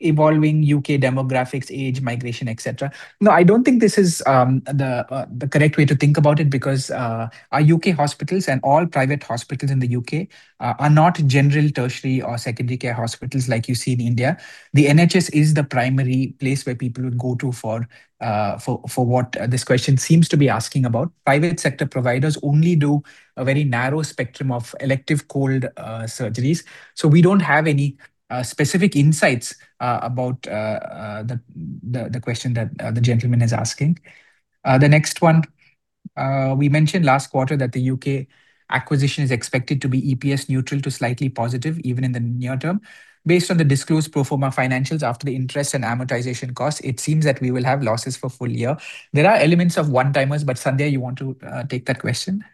evolving UK demographics, age, migration, et cetera? No, I don't think this is the correct way to think about it because our UK hospitals and all private hospitals in the UK are not general tertiary or secondary care hospitals like you see in India. The NHS is the primary place where people would go to for what this question seems to be asking about. Private sector providers only do a very narrow spectrum of elective cold surgeries, so we don't have any specific insights about the question that the gentleman is asking. The next one: "We mentioned last quarter that the UK acquisition is expected to be EPS neutral to slightly positive, even in the near term. Based on the disclosed pro forma financials after the interest and amortization costs, it seems that we will have losses for full year." There are elements of one-timers, but, Sandhya, you want to take that question?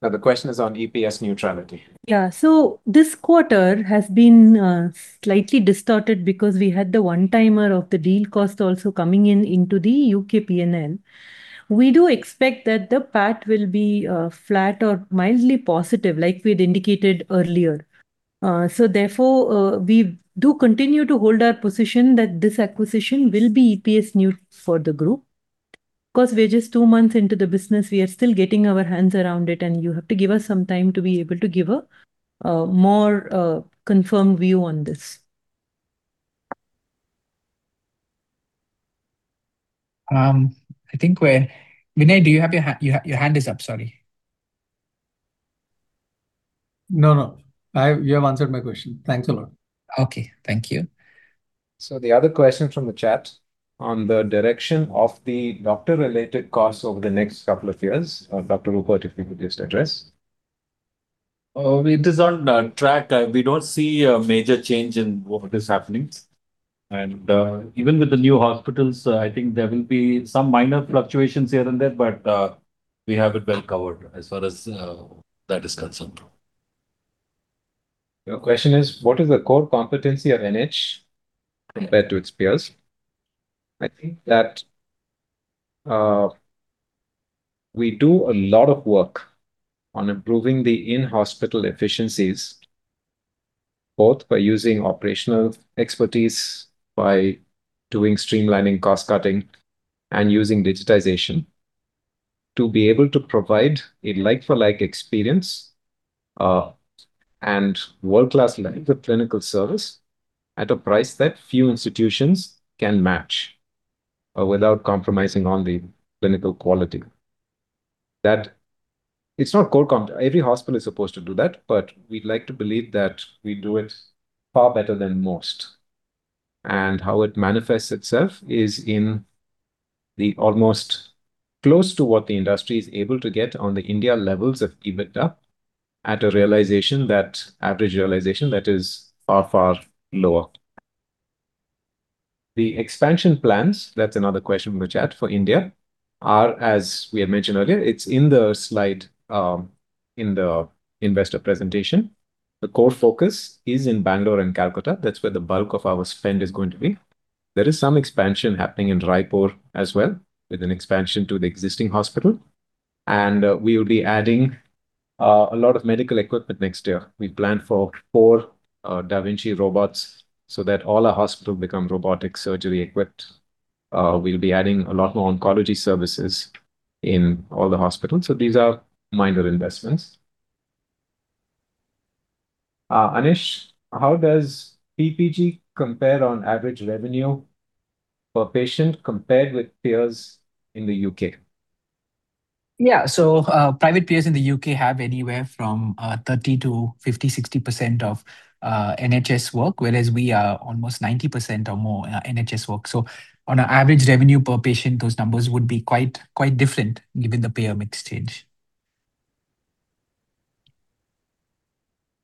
Now, the question is on EPS neutrality. Yeah. So this quarter has been slightly distorted because we had the one-timer of the deal cost also coming in into the UK PNL. We do expect that the PAT will be flat or mildly positive, like we'd indicated earlier. So therefore, we do continue to hold our position that this acquisition will be EPS neutral for the group. Because we're just two months into the business, we are still getting our hands around it, and you have to give us some time to be able to give a more confirmed view on this. I think we're. Vinay, do you have your hand up? Sorry. No, no. You have answered my question. Thanks a lot. Okay, thank you. So the other question from the chat, on the direction of the doctor-related costs over the next couple of years. Dr. Rupert, if you could just address. It is on track. We don't see a major change in what is happening. And even with the new hospitals, I think there will be some minor fluctuations here and there, but we have it well covered as far as that is concerned. The question is: "What is the core competency of NH compared to its peers?" I think that, we do a lot of work on improving the in-hospital efficiencies, both by using operational expertise, by doing streamlining, cost cutting, and using digitization to be able to provide a like-for-like experience, and world-class level of clinical service at a price that few institutions can match, without compromising on the clinical quality. That's not core competency. Every hospital is supposed to do that, but we'd like to believe that we do it far better than most. And how it manifests itself is in the almost close to what the industry is able to get on the Indian levels of EBITDA, at an average realization that is far, far lower. The expansion plans, that's another question in the chat, for India, are, as we had mentioned earlier, it's in the slide in the investor presentation. The core focus is in Bangalore and Kolkata. That's where the bulk of our spend is going to be. There is some expansion happening in Raipur as well, with an expansion to the existing hospital, and we will be adding a lot of medical equipment next year. We've planned for four da Vinci robots so that all our hospitals become robotic surgery equipped. We'll be adding a lot more oncology services in all the hospitals. So these are minor investments. Anesh, how does PPG compare on average revenue per patient compared with peers in the U.K.? Yeah. So, private peers in the UK have anywhere from 30%-60% of NHS work, whereas we are almost 90% or more NHS work. So on an average revenue per patient, those numbers would be quite, quite different given the payer mix change.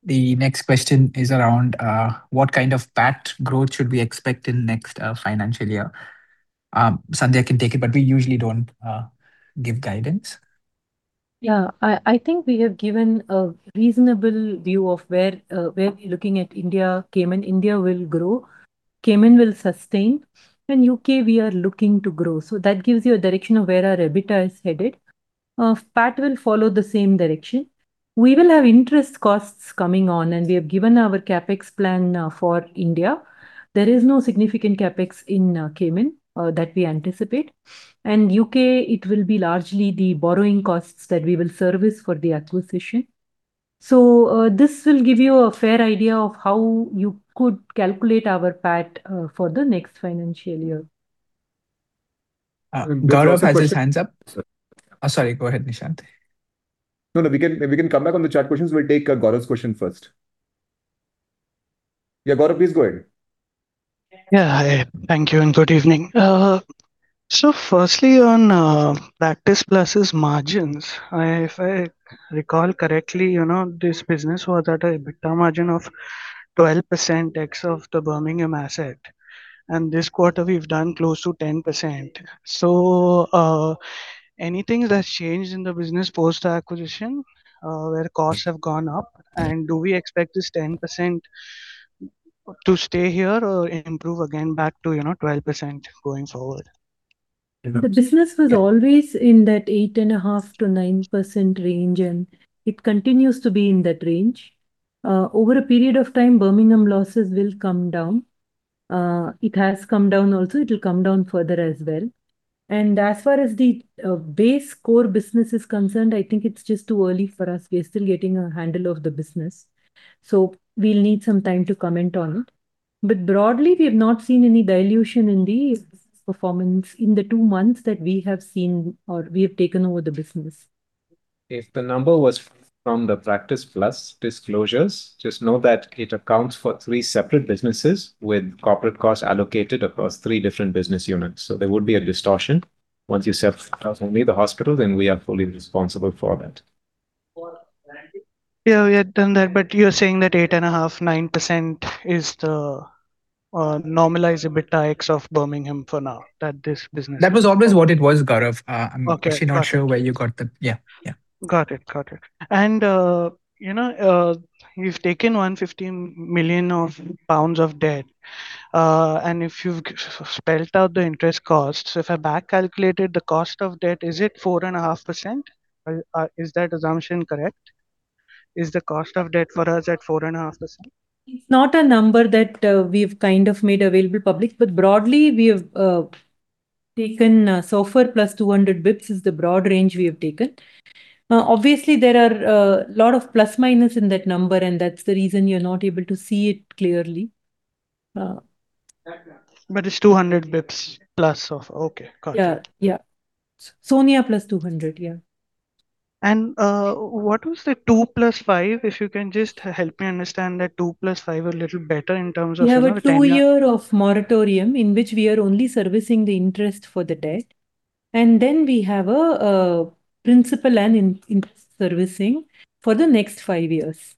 The next question is around: "What kind of PAT growth should we expect in next financial year?" Sandhya can take it, but we usually don't give guidance. Yeah. I, I think we have given a reasonable view of where, where we're looking at India, Cayman. India will grow. Cayman will sustain, and UK we are looking to grow. So that gives you a direction of where our EBITDA is headed. PAT will follow the same direction. We will have interest costs coming on, and we have given our CapEx plan for India. There is no significant CapEx in Cayman that we anticipate. And UK, it will be largely the borrowing costs that we will service for the acquisition. So, this will give you a fair idea of how you could calculate our PAT for the next financial year. Gaurav has his hands up. Sorry. Sorry, go ahead, Nishant. No, no, we can, we can come back on the chat questions. We'll take Gaurav's question first. Yeah, Gaurav, please go ahead. Yeah. Hi, thank you, and good evening. So firstly on Practice Plus' margins, if I recall correctly, you know, this business was at an EBITDA margin of 12% ex of the Birmingham asset, and this quarter we've done close to 10%. So, anything that's changed in the business post the acquisition where costs have gone up? And do we expect this 10% to stay here or improve again back to, you know, 12% going forward? The business was always in that 8.5%-9% range, and it continues to be in that range. Over a period of time, Birmingham losses will come down. It has come down also, it'll come down further as well. And as far as the base core business is concerned, I think it's just too early for us. We are still getting a handle of the business, so we'll need some time to comment on. But broadly, we have not seen any dilution in the performance in the two months that we have seen or we have taken over the business. If the number was from the Practice Plus disclosures, just know that it accounts for three separate businesses, with corporate costs allocated across three different business units. So there would be a distortion. Once you set only the hospital, then we are fully responsible for that. Yeah, we had done that, but you're saying that 8.5%-9% is the normalized EBITDA ex of Birmingham for now, that this business- That was always what it was, Gaurav. Okay. Got it. I'm actually not sure where you got that. Yeah, yeah. Got it. Got it. And, you know, you've taken 115 million pounds of debt, and if you've spelled out the interest costs, so if I back calculated the cost of debt, is it 4.5%? Is that assumption correct? Is the cost of debt for us at 4.5%? It's not a number that, we've kind of made available public, but broadly, we have, taken, SOFR plus 200 basis points is the broad range we have taken. Obviously there are, a lot of plus, minus in that number, and that's the reason you're not able to see it clearly. But it's 200 basis points plus of... Okay, got it. Yeah, yeah. SONIA plus 200, yeah. What was the two plus five? If you can just help me understand that two plus five a little better in terms of, you know, the timeline. We have a two-year moratorium in which we are only servicing the interest for the debt, and then we have a principal and interest servicing for the next five years.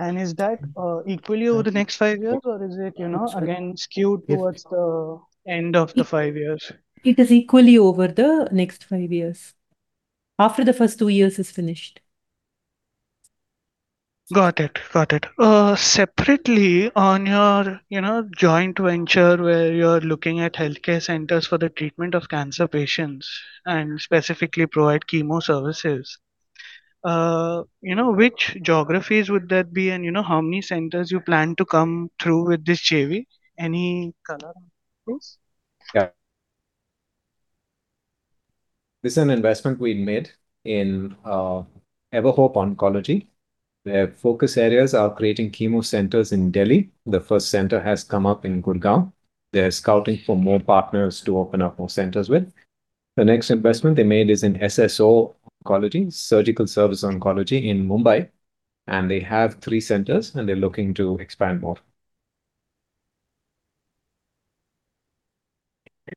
Is that equally over the next five years? Yes. or is it, you know, again, skewed towards the end of the five years? It is equally over the next five years, after the first two years is finished. Got it. Got it. Separately, on your, you know, joint venture, where you're looking at healthcare centers for the treatment of cancer patients, and specifically provide chemo services, you know, which geographies would that be in? You know, how many centers you plan to come through with this JV? Any color, please? Yeah. This is an investment we made in Everhope Oncology. Their focus areas are creating chemo centers in Delhi. The first center has come up in Gurgaon. They're scouting for more partners to open up more centers with. The next investment they made is in SSO Oncology, Surgical Service Oncology in Mumbai, and they have three centers, and they're looking to expand more.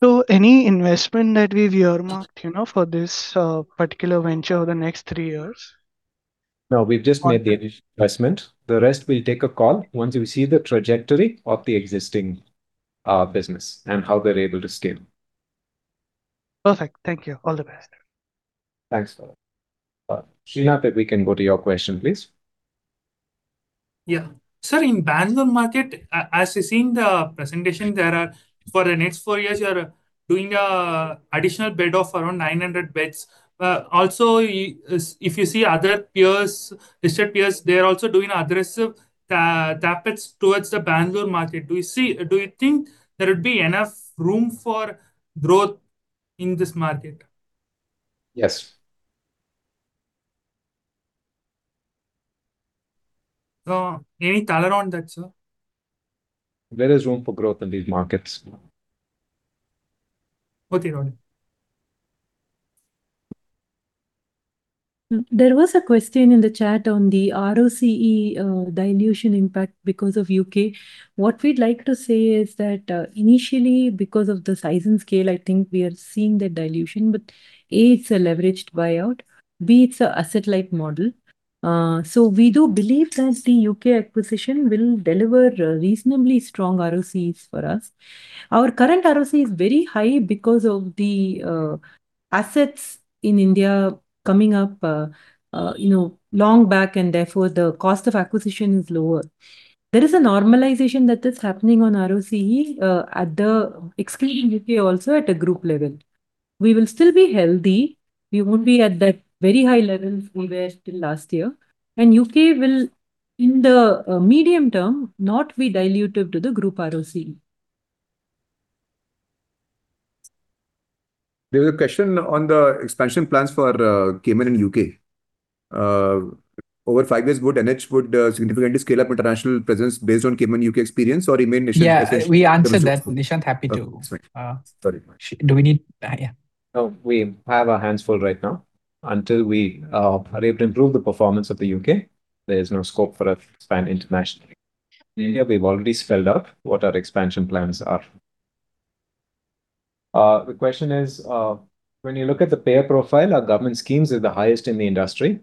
Any investment that we've earmarked, you know, for this particular venture over the next three years? No, we've just made the initial investment. The rest, we'll take a call once we see the trajectory of the existing business and how they're able to scale. Perfect. Thank you. All the best. Thanks, Gaurav. Srinath, we can go to your question, please. Yeah. Sir, in Bangalore market, as you see in the presentation, there are for the next four years, you are doing an additional 900 beds. Also, if you see other peers, listed peers, they are also doing aggressive CapEx towards the Bangalore market. Do you see- Do you think there would be enough room for growth in this market? Yes. Any color on that, sir? There is room for growth in these markets. Okay, got it. There was a question in the chat on the ROCE, dilution impact because of U.K. What we'd like to say is that, initially, because of the size and scale, I think we are seeing the dilution, but, A, it's a leveraged buyout, B, it's an asset-light model. So we do believe that the U.K. acquisition will deliver a reasonably strong ROCE for us. Our current ROCE is very high because of the assets in India coming up, you know, long back, and therefore the cost of acquisition is lower. There is a normalization that is happening on ROCE, at the group level exclusively also. We will still be healthy. We won't be at that very high levels we were still last year, and U.K. will, in the medium term, not be dilutive to the group ROCE. There's a question on the expansion plans for Cayman and U.K. Over five years, would NH significantly scale up international presence based on Cayman and U.K. experience or remain niche? Yeah, we answered that. Nishant, happy to. Sorry. Do we need...? Yeah. No, we have our hands full right now. Until we are able to improve the performance of the U.K., there is no scope for us to expand internationally. In India, we've already spelled out what our expansion plans are. The question is, when you look at the payer profile, our government schemes are the highest in the industry.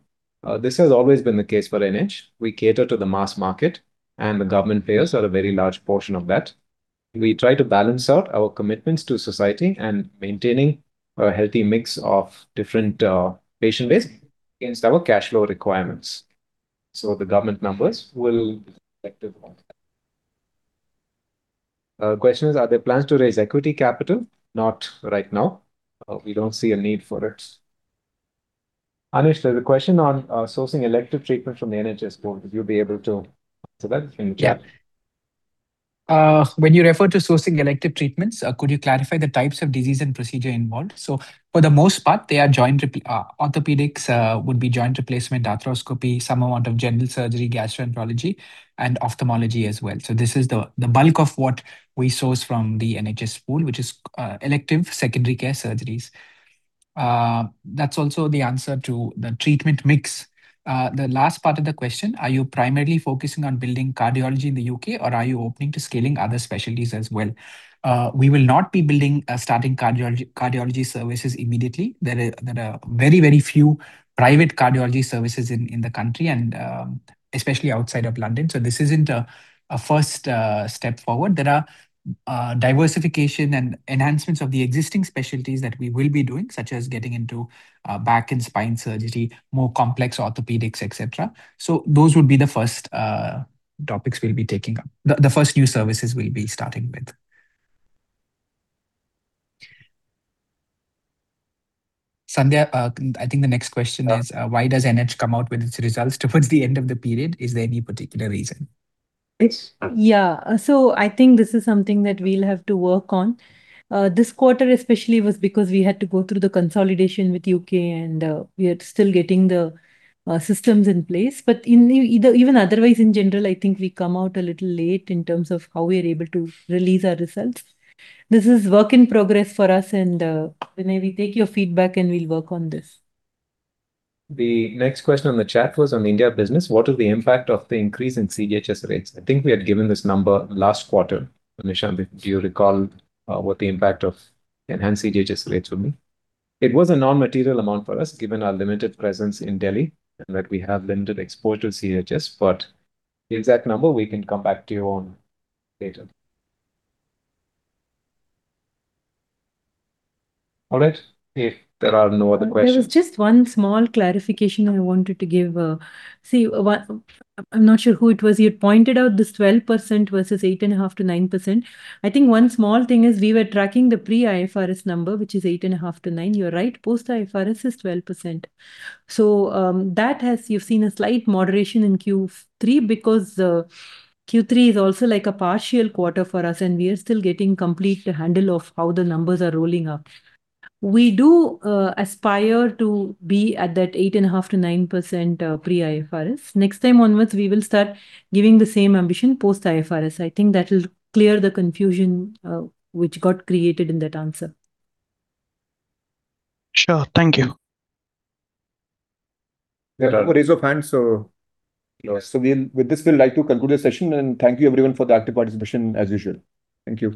This has always been the case for NH. We cater to the mass market, and the government payers are a very large portion of that. We try to balance out our commitments to society and maintaining a healthy mix of different patient base against our cash flow requirements, so the government numbers will reflect it on that. Question is: "Are there plans to raise equity capital?" Not right now. We don't see a need for it. Anesh, there's a question on sourcing elective treatment from the NHS pool. Would you be able to answer that in the chat? Yeah. When you refer to sourcing elective treatments, could you clarify the types of disease and procedure involved? So for the most part, they are orthopedics, would be joint replacement, arthroscopy, some amount of general surgery, gastroenterology, and ophthalmology as well. So this is the bulk of what we source from the NHS pool, which is elective secondary care surgeries. That's also the answer to the treatment mix. The last part of the question: "Are you primarily focusing on building cardiology in the UK, or are you open to scaling other specialties as well?" We will not be building, starting cardiology services immediately. There are very few private cardiology services in the country and especially outside of London, so this isn't a first step forward. There are diversification and enhancements of the existing specialties that we will be doing, such as getting into back and spine surgery, more complex orthopedics, et cetera. So those would be the first topics we'll be taking up, the first new services we'll be starting with. Sandhya, I think the next question is: "Why does NH come out with its results towards the end of the period? Is there any particular reason? Yeah, so I think this is something that we'll have to work on. This quarter especially was because we had to go through the consolidation with U.K., and we are still getting the systems in place. But in even otherwise, in general, I think we come out a little late in terms of how we are able to release our results. This is work in progress for us, and Vinay, we take your feedback, and we'll work on this. The next question on the chat was on India business: "What is the impact of the increase in CGHS rates?" I think we had given this number last quarter. Nishant, do you recall, what the impact of enhanced CGHS rates will be? It was a non-material amount for us, given our limited presence in Delhi, and that we have limited exposure to CGHS, but the exact number, we can come back to you on later. All right, if there are no other questions? There was just one small clarification I wanted to give. I'm not sure who it was, you had pointed out this 12% versus 8.5%-9%. I think one small thing is we were tracking the pre-IFRS number, which is 8.5-9. You're right, post-IFRS is 12%. So, that has. You've seen a slight moderation in Q3 because Q3 is also like a partial quarter for us, and we are still getting complete handle of how the numbers are rolling out. We do aspire to be at that 8.5%-9% pre-IFRS. Next time onwards, we will start giving the same ambition post-IFRS. I think that will clear the confusion which got created in that answer. Sure. Thank you. There are no raised hands, so. No. So, with this, we'd like to conclude the session, and thank you everyone for the active participation, as usual. Thank you.